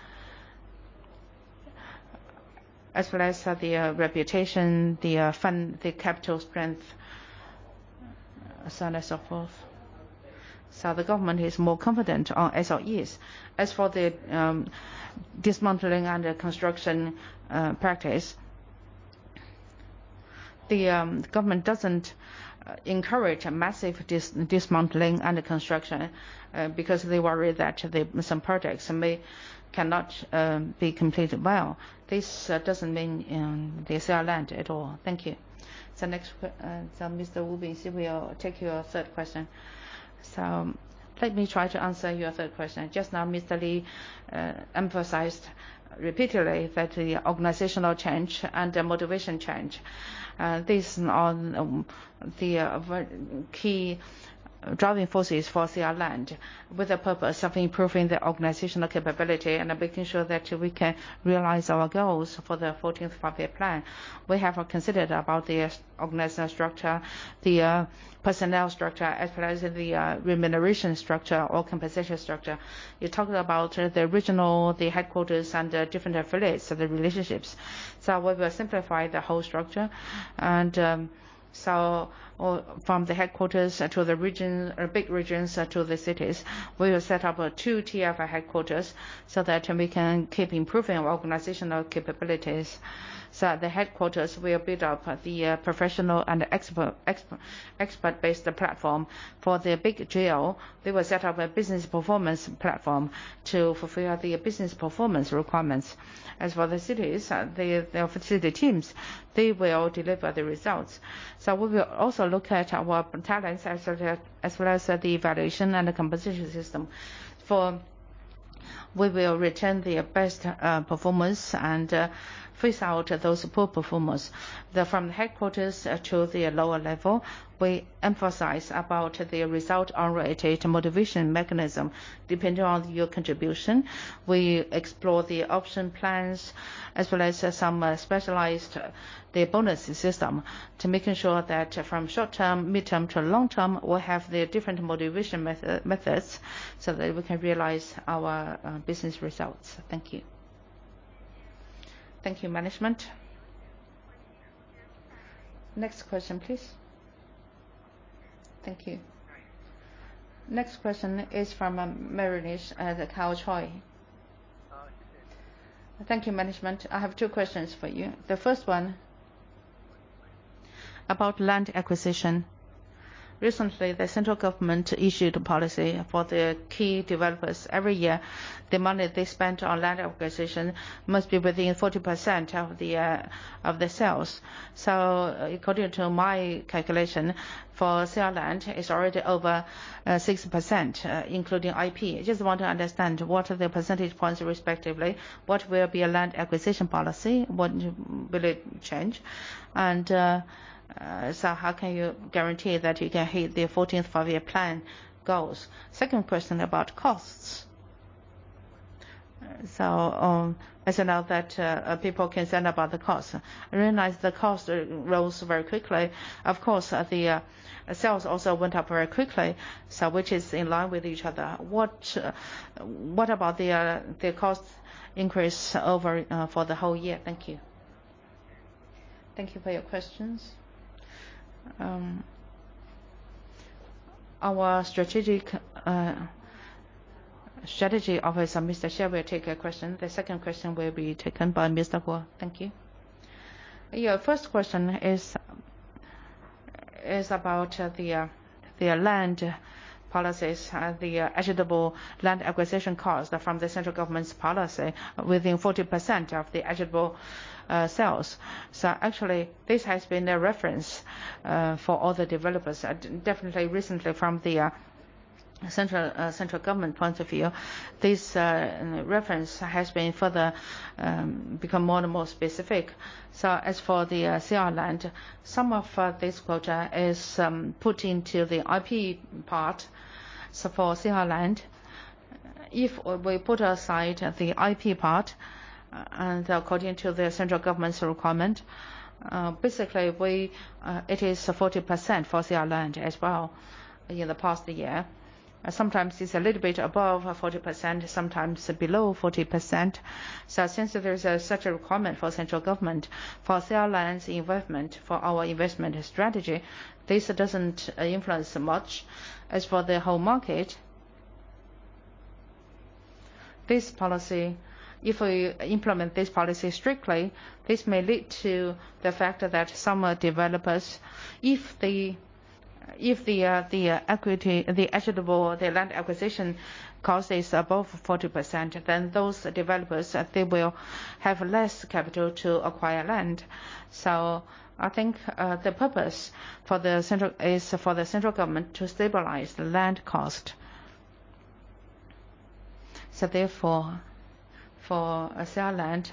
as well as their reputation, their capital strength, so on and so forth. The government is more confident on SOEs. As for the dismantling and the construction practice, the government doesn't encourage massive dismantling and construction, because they worry that some projects may cannot be completed well. This doesn't mean the sale land at all. Thank you. Next, Mr. Wu Bingqi will take your third question. Let me try to answer your third question. Just now, Mr. Li emphasized repeatedly that the organizational change and the motivation change, these are the key driving forces for China Land, with the purpose of improving the organizational capability and making sure that we can realize our goals for the 14th Five-Year Plan. We have considered about the organizational structure, the personnel structure, as well as the remuneration structure or compensation structure. You talked about the regional, the headquarters, and the different affiliates, the relationships. We will simplify the whole structure. From the headquarters to the big regions to the cities, we will set up a two-tier headquarters so that we can keep improving organizational capabilities. At the headquarters, we'll build up the professional and expert-based platform. For the big GL, we will set up a business performance platform to fulfill the business performance requirements. As for the cities, their facility teams, they will deliver the results. We will also look at our talents as well as the evaluation and the compensation system, for we will retain the best performers and phase out those poor performers. From the headquarters to the lower level, we emphasize about the result-orientated motivation mechanism. Depending on your contribution, we explore the option plans as well as some specialized bonus system to making sure that from short-term, midterm, to long-term, we have the different motivation methods so that we can realize our business results. Thank you. Thank you, management. Next question, please. Thank you. Next question is from Merrill Lynch. Karl Choi. Thank you, management. I have two questions for you. The first one, about land acquisition. Recently, the central government issued a policy for the key developers. Every year, the money they spent on land acquisition must be within 40% of the sales. According to my calculation, for sale land, it's already over 6%, including IP. I just want to understand what are the percentage points respectively, what will be a land acquisition policy? Will it change? How can you guarantee that you can hit the 14th Five-Year Plan goals? Second question about costs. As you know that people concerned about the cost. I realize the cost rose very quickly. Of course, the sales also went up very quickly, which is in line with each other. What about the cost increase for the whole year? Thank you. Thank you for your questions. Our Strategy Officer, Mr. Xie, will take your question. The second question will be taken by Mr. Guo. Thank you. Your first question is about the land policies, the eligible land acquisition cost from Central government's policy within 40% of the eligible sales. Actually, this has been a reference for all the developers. Definitely recently from the Central government point of view, this reference has been further become more and more specific. As for the CR Land, some of this quota is put into the IP part. For CR Land, if we put aside the IP part, and according to the Central government's requirement, basically, it is 40% for CR Land as well in the past year. Sometimes it's a little bit above 40%, sometimes below 40%. Since there's such a requirement for Central Government for CR Land's investment, for our investment strategy, this doesn't influence much. As for the whole market, if we implement this policy strictly, this may lead to the fact that some developers, if the equity, the land acquisition cost is above 40%, then those developers, they will have less capital to acquire land. I think the purpose is for the Central Government to stabilize the land cost. Therefore, for CR Land,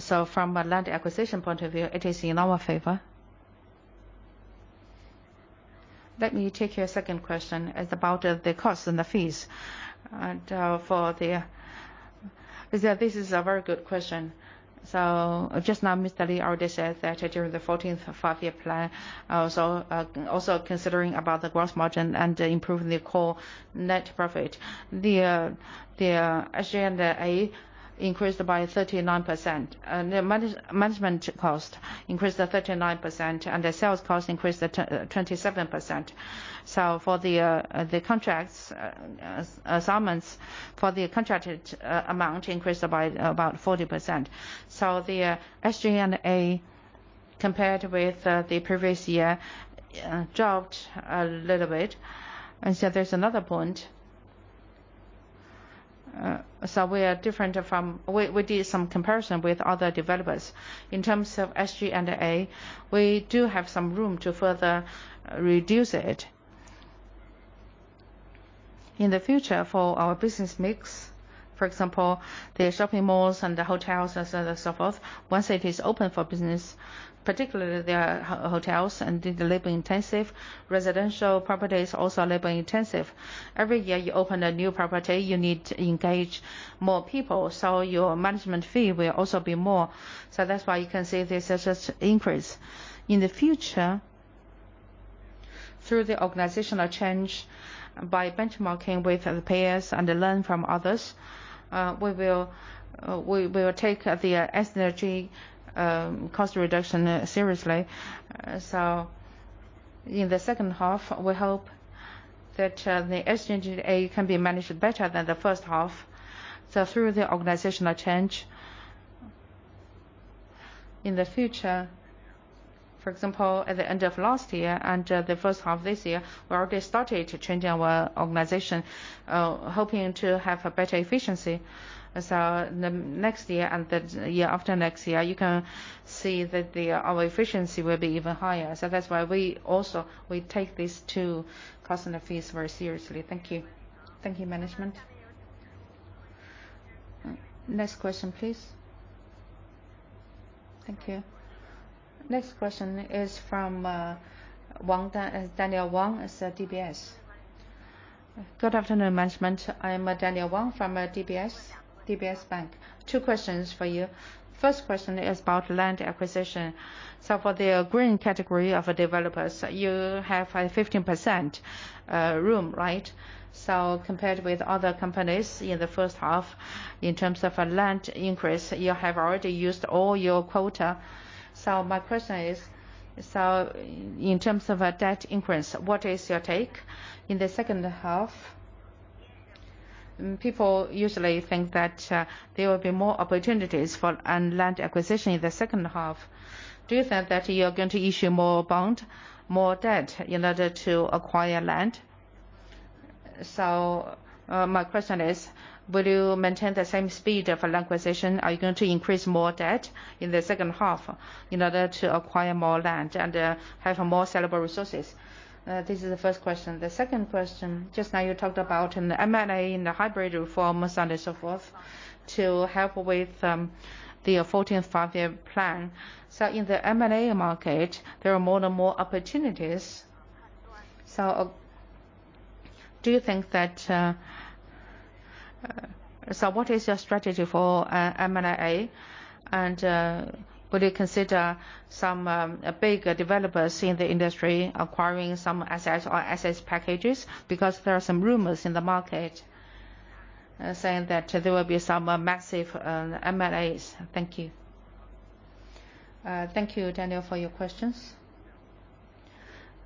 from a land acquisition point of view, it is in our favor. Let me take your second question. It's about the costs and the fees. This is a very good question. Just now, Mr. Li already said that during the 14th Five-Year Plan, also considering about the gross margin and improving the core net profit. SG&A increased by 39%. The management cost increased to 39%. The sales cost increased to 27%. For the contracts assignments, for the contracted amount increased by about 40%. The SG&A compared with the previous year dropped a little bit. There's another point. We did some comparison with other developers. In terms of SG&A, we do have some room to further reduce it. In the future for our business mix, for example, the shopping malls and the hotels, and so on and so forth, once it is open for business, particularly the hotels and the labor intensive residential properties are also labor intensive. Every year you open a new property, you need to engage more people. Your management fee will also be more. That's why you can see there's such increase. In the future, through the organizational change by benchmarking with the peers and learn from others, we will take the SG cost reduction seriously. In the second half, we hope that the SG&A can be managed better than the first half. Through the organizational change in the future, for example, at the end of last year and the first half of this year, we already started to change our organization, hoping to have a better efficiency. The next year and the year after next year, you can see that our efficiency will be even higher. That's why we also take these two costs and fees very seriously. Thank you. Thank you, management. Next question, please. Thank you. Next question is from Daniel Wong at DBS. Good afternoon, management. I am Daniel Wong from DBS Bank. Two questions for you. First question is about land acquisition. For the green category of developers, you have a 15% room, right? Compared with other companies in the first half, in terms of a land increase, you have already used all your quota. My question is, in terms of a debt increase, what is your take in the second half? People usually think that there will be more opportunities for land acquisition in the second half. Do you think that you are going to issue more bond, more debt in order to acquire land? My question is, will you maintain the same speed of land acquisition? Are you going to increase more debt in the second half in order to acquire more land and have more sellable resources? This is the first question. The second question, just now you talked about in the M&A, in the hybrid reforms and so forth to help with the 14th Five-Year Plan. In the M&A market, there are more and more opportunities. What is your strategy for M&A? Will you consider some big developers in the industry acquiring some assets or assets packages? There are some rumors in the market saying that there will be some massive M&As. Thank you. Thank you, Daniel, for your questions.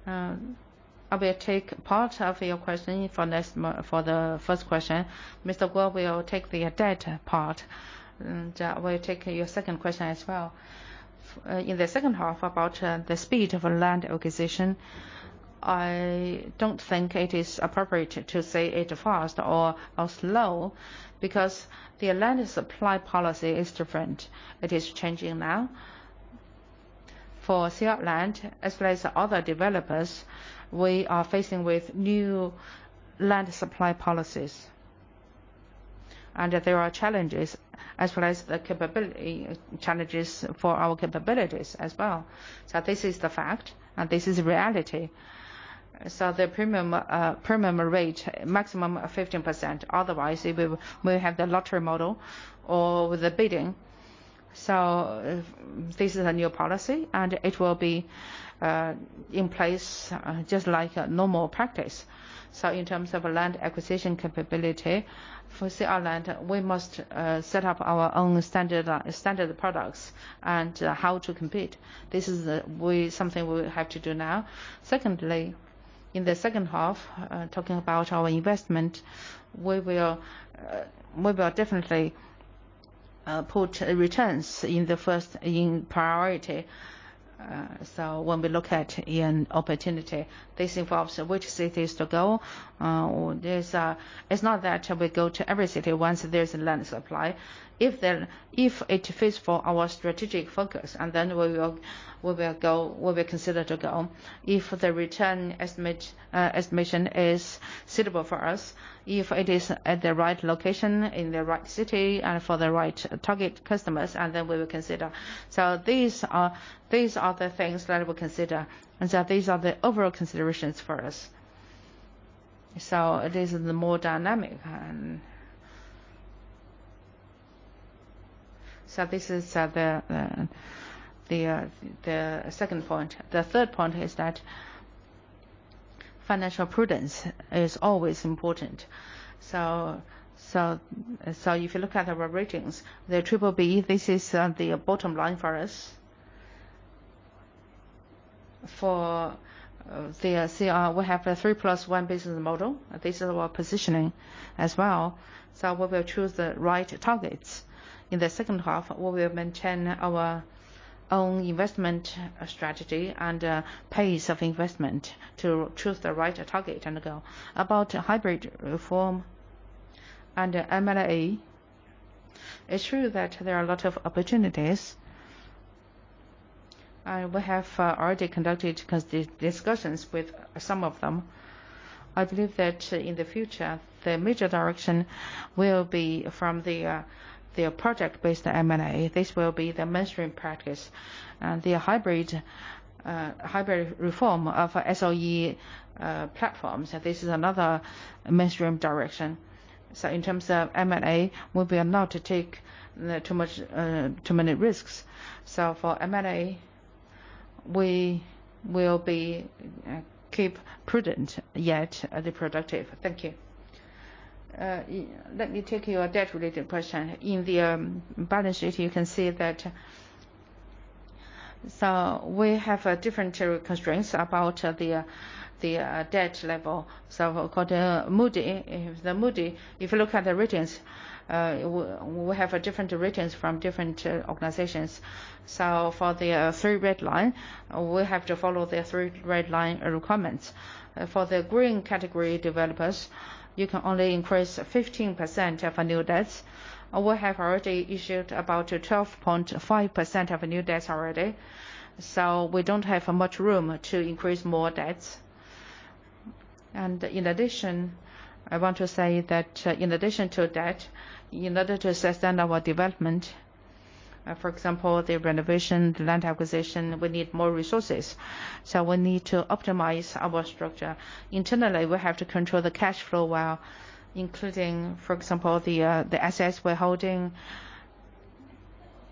I will take part of your question for the first question. Mr. Guo will take the debt part, and will take your second question as well. In the second half about the speed of land acquisition, I don't think it is appropriate to say it fast or slow because the land supply policy is different. It is changing now. For CR Land, as well as other developers, we are facing with new land supply policies. There are challenges, as well as the challenges for our capabilities as well. This is the fact, and this is reality. The premium rate, maximum of 15%, otherwise we will have the lottery model or the bidding. This is a new policy, and it will be in place just like a normal practice. In terms of land acquisition capability for CR Land, we must set up our own standard products and how to compete. This is something we have to do now. Secondly, in the second half, talking about our investment, we will definitely put returns in priority. When we look at an opportunity, this involves which cities to go. It's not that we go to every city once there's a land supply. If it fits for our strategic focus, we will consider to go. If the return estimation is suitable for us, if it is at the right location, in the right city, and for the right target customers, we will consider. These are the things that we'll consider, these are the overall considerations for us. It is more dynamic. This is the second point. The third point is that financial prudence is always important. If you look at our ratings, the BBB, this is the bottom line for us. For CR, we have a three-plus-one business model. This is our positioning as well. We will choose the right targets. In the second half, we will maintain our own investment strategy and pace of investment to choose the right target and go. Hybrid reform and M&A, it's true that there are a lot of opportunities, and we have already conducted discussions with some of them. I believe that in the future, the major direction will be from the project-based M&A. This will be the mainstream practice and the hybrid reform of SOE platforms, this is another mainstream direction. In terms of M&A, we will not take too many risks. For M&A, we will be keep prudent, yet productive. Thank you. Let me take your debt-related question. In the balance sheet, you can see that we have different constraints about the debt level. Called the Moody's. Moody's, if you look at the ratings, we have different ratings from different organizations. For the Three Red Lines, we have to follow the Three Red Lines requirements. For the green category developers, you can only increase 15% of new debts. We have already issued about 12.5% of new debts already. We don't have much room to increase more debts. In addition, I want to say that in addition to debt, in order to sustain our development, for example, the renovation, the land acquisition, we need more resources. We need to optimize our structure. Internally, we have to control the cash flow well, including, for example, the assets we're holding,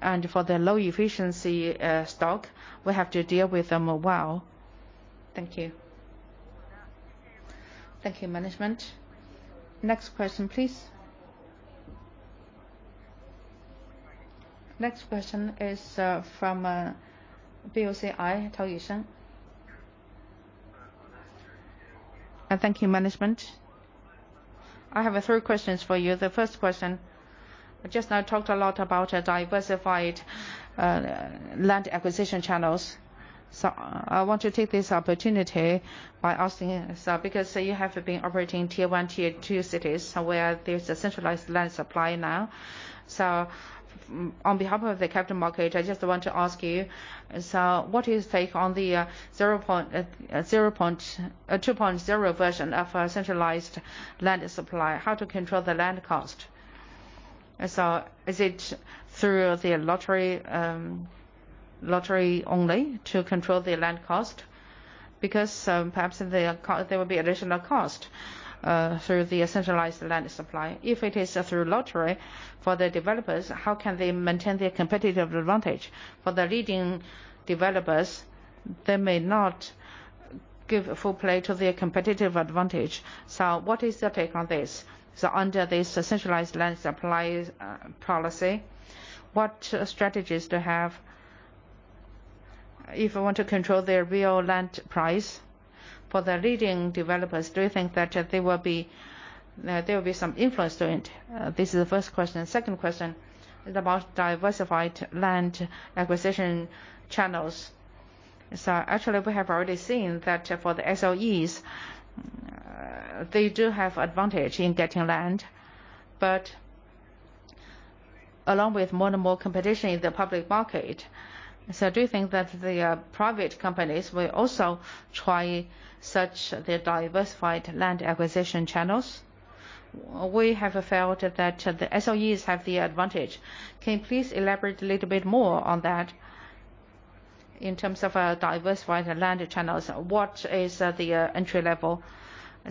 and for the low efficiency stock, we have to deal with them well. Thank you. Thank you, management. Next question, please. Next question is from BOCI, Tao Yu. Thank you, management. I have three questions for you. The first question, just now talked a lot about diversified land acquisition channels. I want to take this opportunity by asking you, because you have been operating Tier 1, Tier 2 cities where there's a centralized land supply now. On behalf of the capital market, I just want to ask you, what is take on the 2.0 version of centralized land supply, how to control the land cost? Is it through the lottery only to control the land cost? Because perhaps there will be additional cost through the centralized land supply. If it is through lottery for the developers, how can they maintain their competitive advantage? For the leading developers, they may not give full play to their competitive advantage. What is your take on this? Under this centralized land supply policy, what strategies to have if you want to control the real land price? For the leading developers, do you think that there will be some influence to it? This is the first question. Second question is about diversified land acquisition channels. Actually, we have already seen that for the SOEs, they do have advantage in getting land. Along with more and more competition in the public market. I do think that the private companies will also try such diversified land acquisition channels. We have felt that the SOEs have the advantage. Can you please elaborate a little bit more on that in terms of diversifying the land channels? What is the entry level?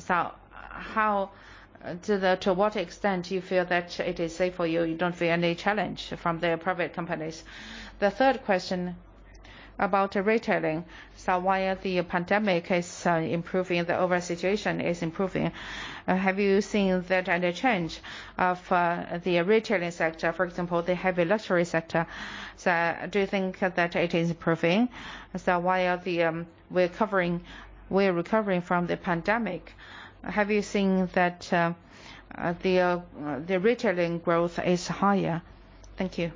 To what extent do you feel that it is safe for you? You don't feel any challenge from the private companies. The third question about retailing. While the pandemic is improving, the overall situation is improving, have you seen any change of the retailing sector, for example, the heavy luxury sector? Do you think that it is improving? While we're recovering from the pandemic, have you seen that the retailing growth is higher? Thank you.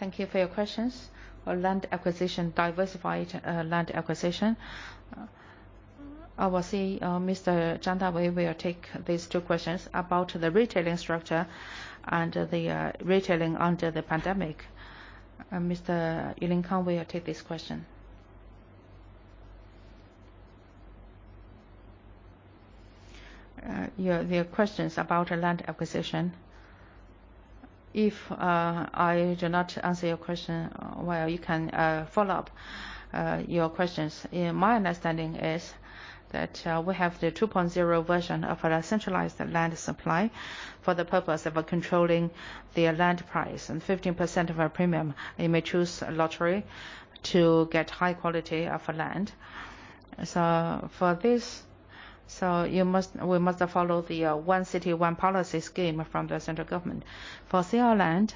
Thank you for your questions. For diversified land acquisition, I will say Mr. Zhang Dawei will take these two questions. About the retailing structure and the retailing under the pandemic, Mr. Yu Linkang will take this question. Your questions about land acquisition. If I do not answer your question well, you can follow up your questions. My understanding is that we have the 2.0 version of our centralized land supply for the purpose of controlling the land price, and 15% of our premium you may choose a lottery to get high quality of land. For this, we must follow the one city, one policy scheme from the central government. For China Land,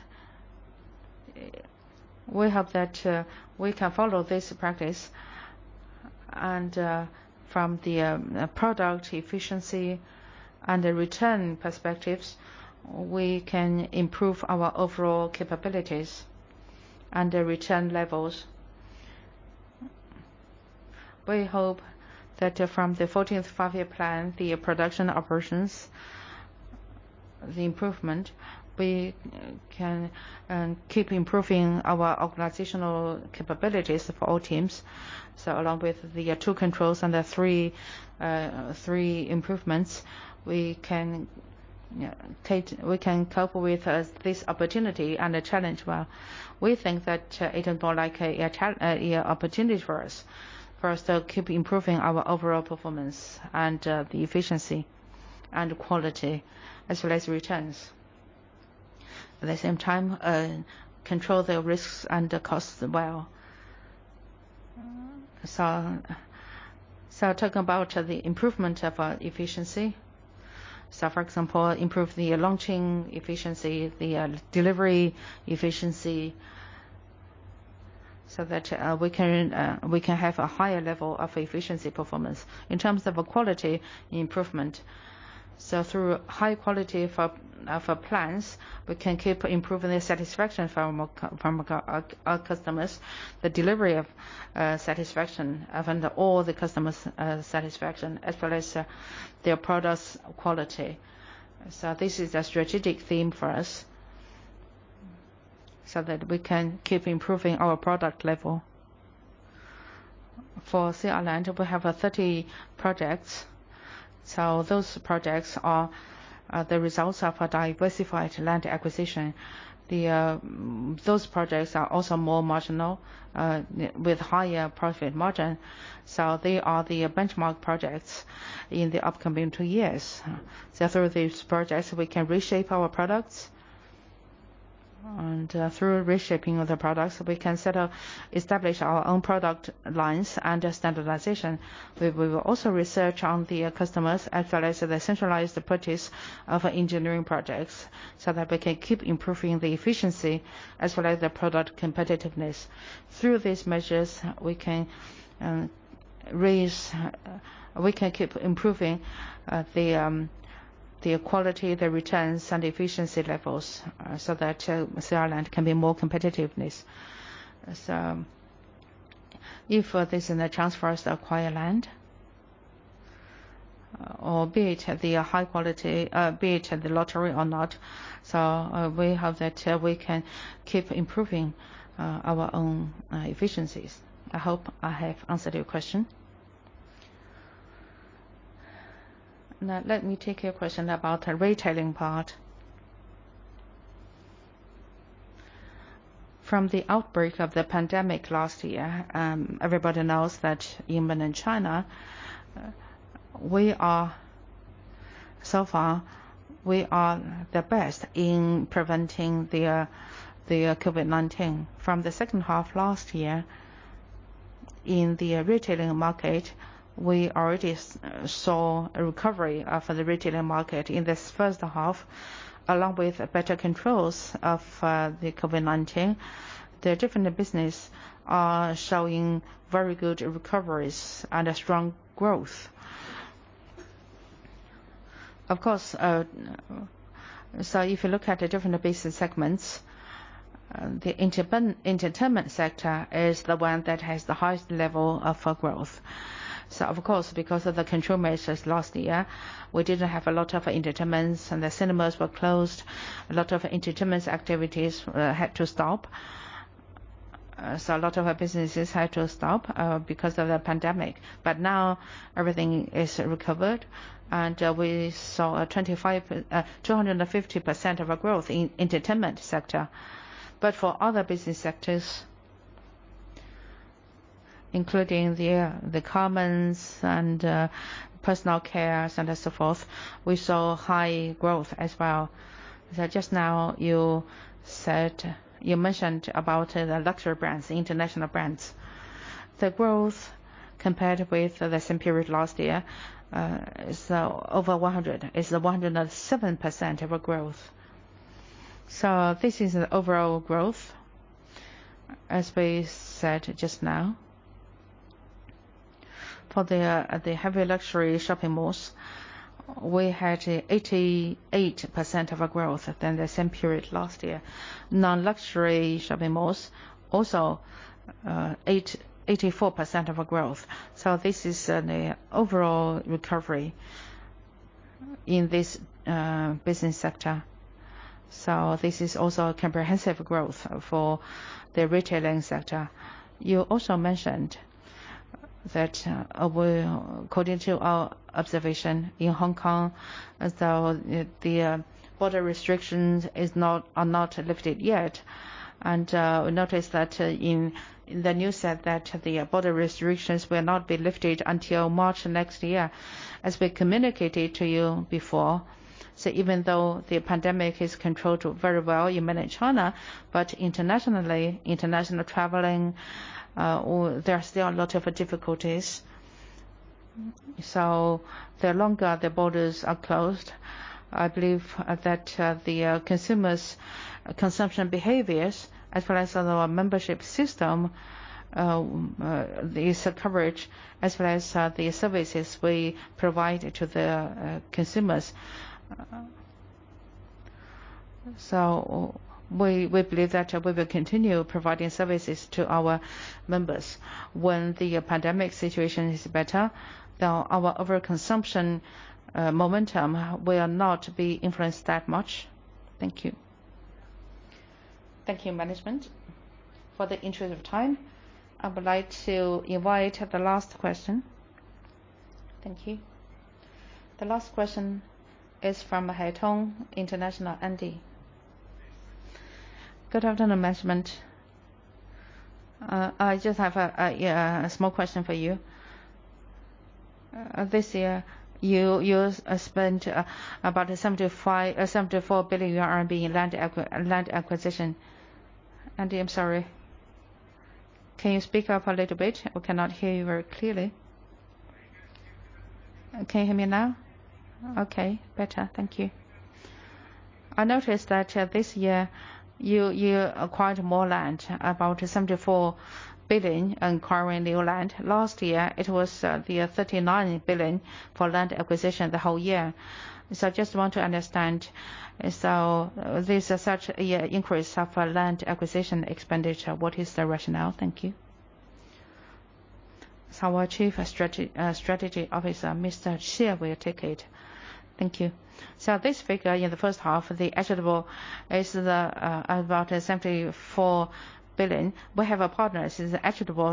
we hope that we can follow this practice, from the product efficiency and the return perspectives, we can improve our overall capabilities and the return levels. We hope that from the 14th Five-Year Plan, the production operations, the improvement, we can keep improving our organizational capabilities for all teams. Along with the two controls and the three improvements, we can cope with this opportunity and the challenge well. We think that it is more like an opportunity for us to keep improving our overall performance and the efficiency and quality, as well as returns. At the same time, control the risks and the costs well. Talking about the improvement of our efficiency. For example, improve the launching efficiency, the delivery efficiency, so that we can have a higher level of efficiency performance. In terms of quality improvement, so through high quality for plans, we can keep improving the satisfaction from our customers, the delivery of satisfaction and all the customers' satisfaction, as well as their products' quality. This is a strategic theme for us so that we can keep improving our product level. For China Land, we have 30 projects. Those projects are the results of our diversified land acquisition. Those projects are also more marginal with higher profit margin, so they are the benchmark projects in the upcoming two years. Through these projects, we can reshape our products. Through reshaping of the products, we can establish our own product lines and standardization. We will also research on the customers as well as the centralized purchase of engineering projects so that we can keep improving the efficiency as well as the product competitiveness. Through these measures, we can keep improving the quality, the returns, and efficiency levels so that China Land can be more competitiveness. If this in turn helps us acquire land, or be it the high quality, be it the lottery or not, we hope that we can keep improving our own efficiencies. I hope I have answered your question. Let me take your question about the retailing part. From the outbreak of the pandemic last year, everybody knows that even in China, so far we are the best in preventing the COVID-19. From the 2nd half last year, in the retailing market, we already saw a recovery of the retailing market in this 1st half, along with better controls of the COVID-19. The different business are showing very good recoveries and a strong growth. If you look at the different business segments. The entertainment sector is the one that has the highest level of growth. Of course, because of the control measures last year, we didn't have a lot of entertainments and the cinemas were closed. A lot of entertainment activities had to stop. A lot of our businesses had to stop because of the pandemic. Now everything is recovered, and we saw 250% of our growth in entertainment sector. For other business sectors, including the commercial and personal cares and so forth, we saw high growth as well. Just now, you mentioned about the luxury brands, the international brands. The growth compared with the same period last year, over 100. It's a 107% of our growth. This is the overall growth, as we said just now. For the heavy luxury shopping malls, we had 88% of our growth than the same period last year. Non-luxury shopping malls, also 84% of our growth. This is an overall recovery in this business sector. This is also a comprehensive growth for the retailing sector. You also mentioned that according to our observation in Hong Kong, the border restrictions are not lifted yet. We noticed that in the news that the border restrictions will not be lifted until March next year. As we communicated to you before, even though the pandemic is controlled very well in Mainland China, but internationally, international traveling, there are still a lot of difficulties. The longer the borders are closed, I believe that the consumers' consumption behaviors, as well as our membership system, is coverage, as well as the services we provide to the consumers. We believe that we will continue providing services to our members. When the pandemic situation is better, our overconsumption momentum will not be influenced that much. Thank you. Thank you, management. For the interest of time, I would like to invite the last question. Thank you. The last question is from Haitong International, Andy. Good afternoon, management. I just have a small question for you. This year, you spent about 74 billion RMB in land acquisition. Andy, I'm sorry. Can you speak up a little bit? We cannot hear you very clearly. Can you hear me now? Okay, better. Thank you. I noticed that this year you acquired more land, about 74 billion in acquiring new land. Last year, it was 39 billion for land acquisition the whole year. I just want to understand, this such increase of land acquisition expenditure, what is the rationale? Thank you. Our Chief Strategy Officer, Mr. Xie, will take it. Thank you. This figure in the first half, the equitable is about 74 billion. We have a partner, is the equitable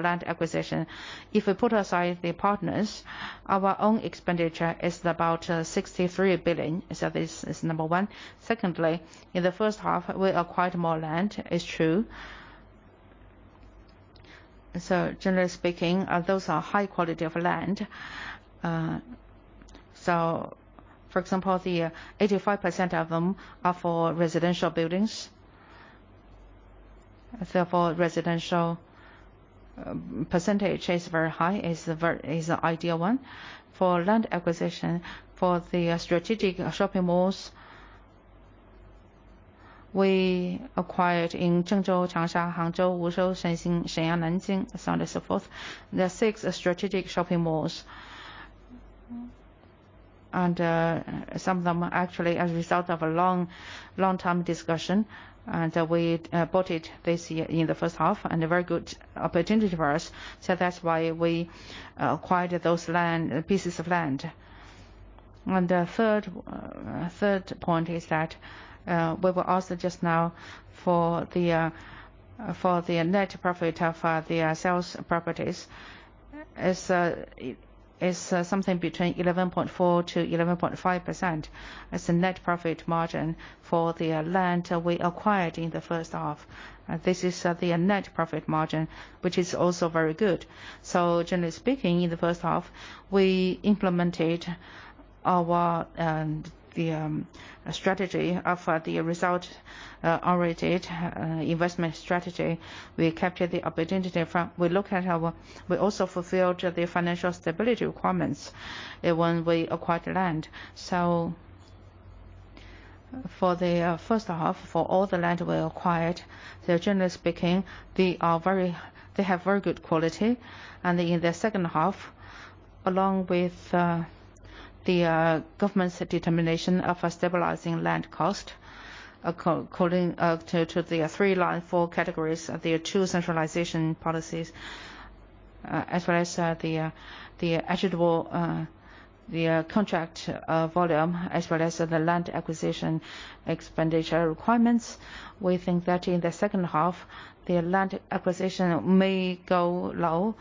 land acquisition. If we put aside the partners, our own expenditure is about 63 billion. This is number one. Secondly, in the first half, we acquired more land, is true. Generally speaking, those are high quality of land. For example, the 85% of them are for residential buildings. Therefore, residential percentage is very high, is ideal one. For land acquisition for the strategic shopping malls, we acquired in Zhengzhou, Changsha, Hangzhou, Wuzhou, Shaanxi, Shenyang, Nanjing, so on and so forth. There are six strategic shopping malls. Some of them are actually a result of a long-term discussion, and we bought it this year in the first half, and a very good opportunity for us. That's why we acquired those pieces of land. Third point is that, we were asked just now for the net profit of the sales properties. Is something between 11.4%-11.5% is the net profit margin for the land we acquired in the first half. This is the net profit margin, which is also very good. Generally speaking, in the first half, we implemented our strategy of the result-oriented investment strategy. We also fulfilled the financial stability requirements when we acquired land. For the first half, for all the land we acquired, generally speaking, they have very good quality. In the second half, along with the government's determination of stabilizing land cost according to the Three Red Lines, four categories, there are two centralization policies, as well as the equitable contract volume, as well as the land acquisition expenditure requirements. We think that in the second half, the land acquisition may go low.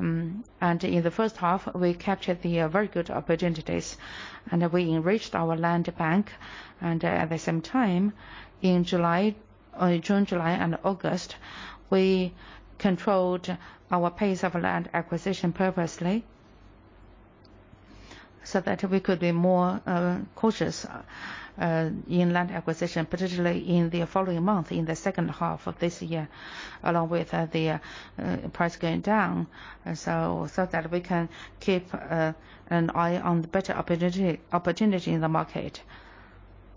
In the first half, we captured the very good opportunities, and we enriched our land bank. At the same time, in June, July, and August, we controlled our pace of land acquisition purposely so that we could be more cautious in land acquisition, particularly in the following month, in the second half of this year, along with the price going down. That we can keep an eye on better opportunity in the market.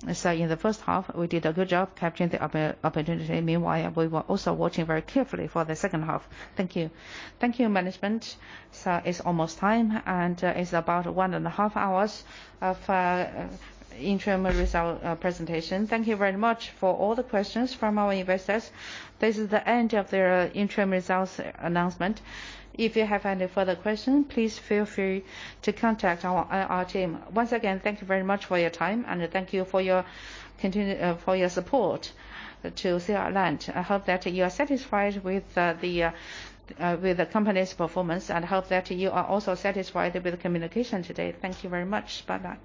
In the first half, we did a good job capturing the opportunity. Meanwhile, we were also watching very carefully for the second half. Thank you. Thank you, management. It's almost time, and it's about 1.5 Hours of interim result presentation. Thank you very much for all the questions from our investors. This is the end of the interim results announcement. If you have any further questions, please feel free to contact our team. Once again, thank you very much for your time, and thank you for your support to China Resources Land. I hope that you are satisfied with the company's performance and hope that you are also satisfied with the communication today. Thank you very much. Bye-bye.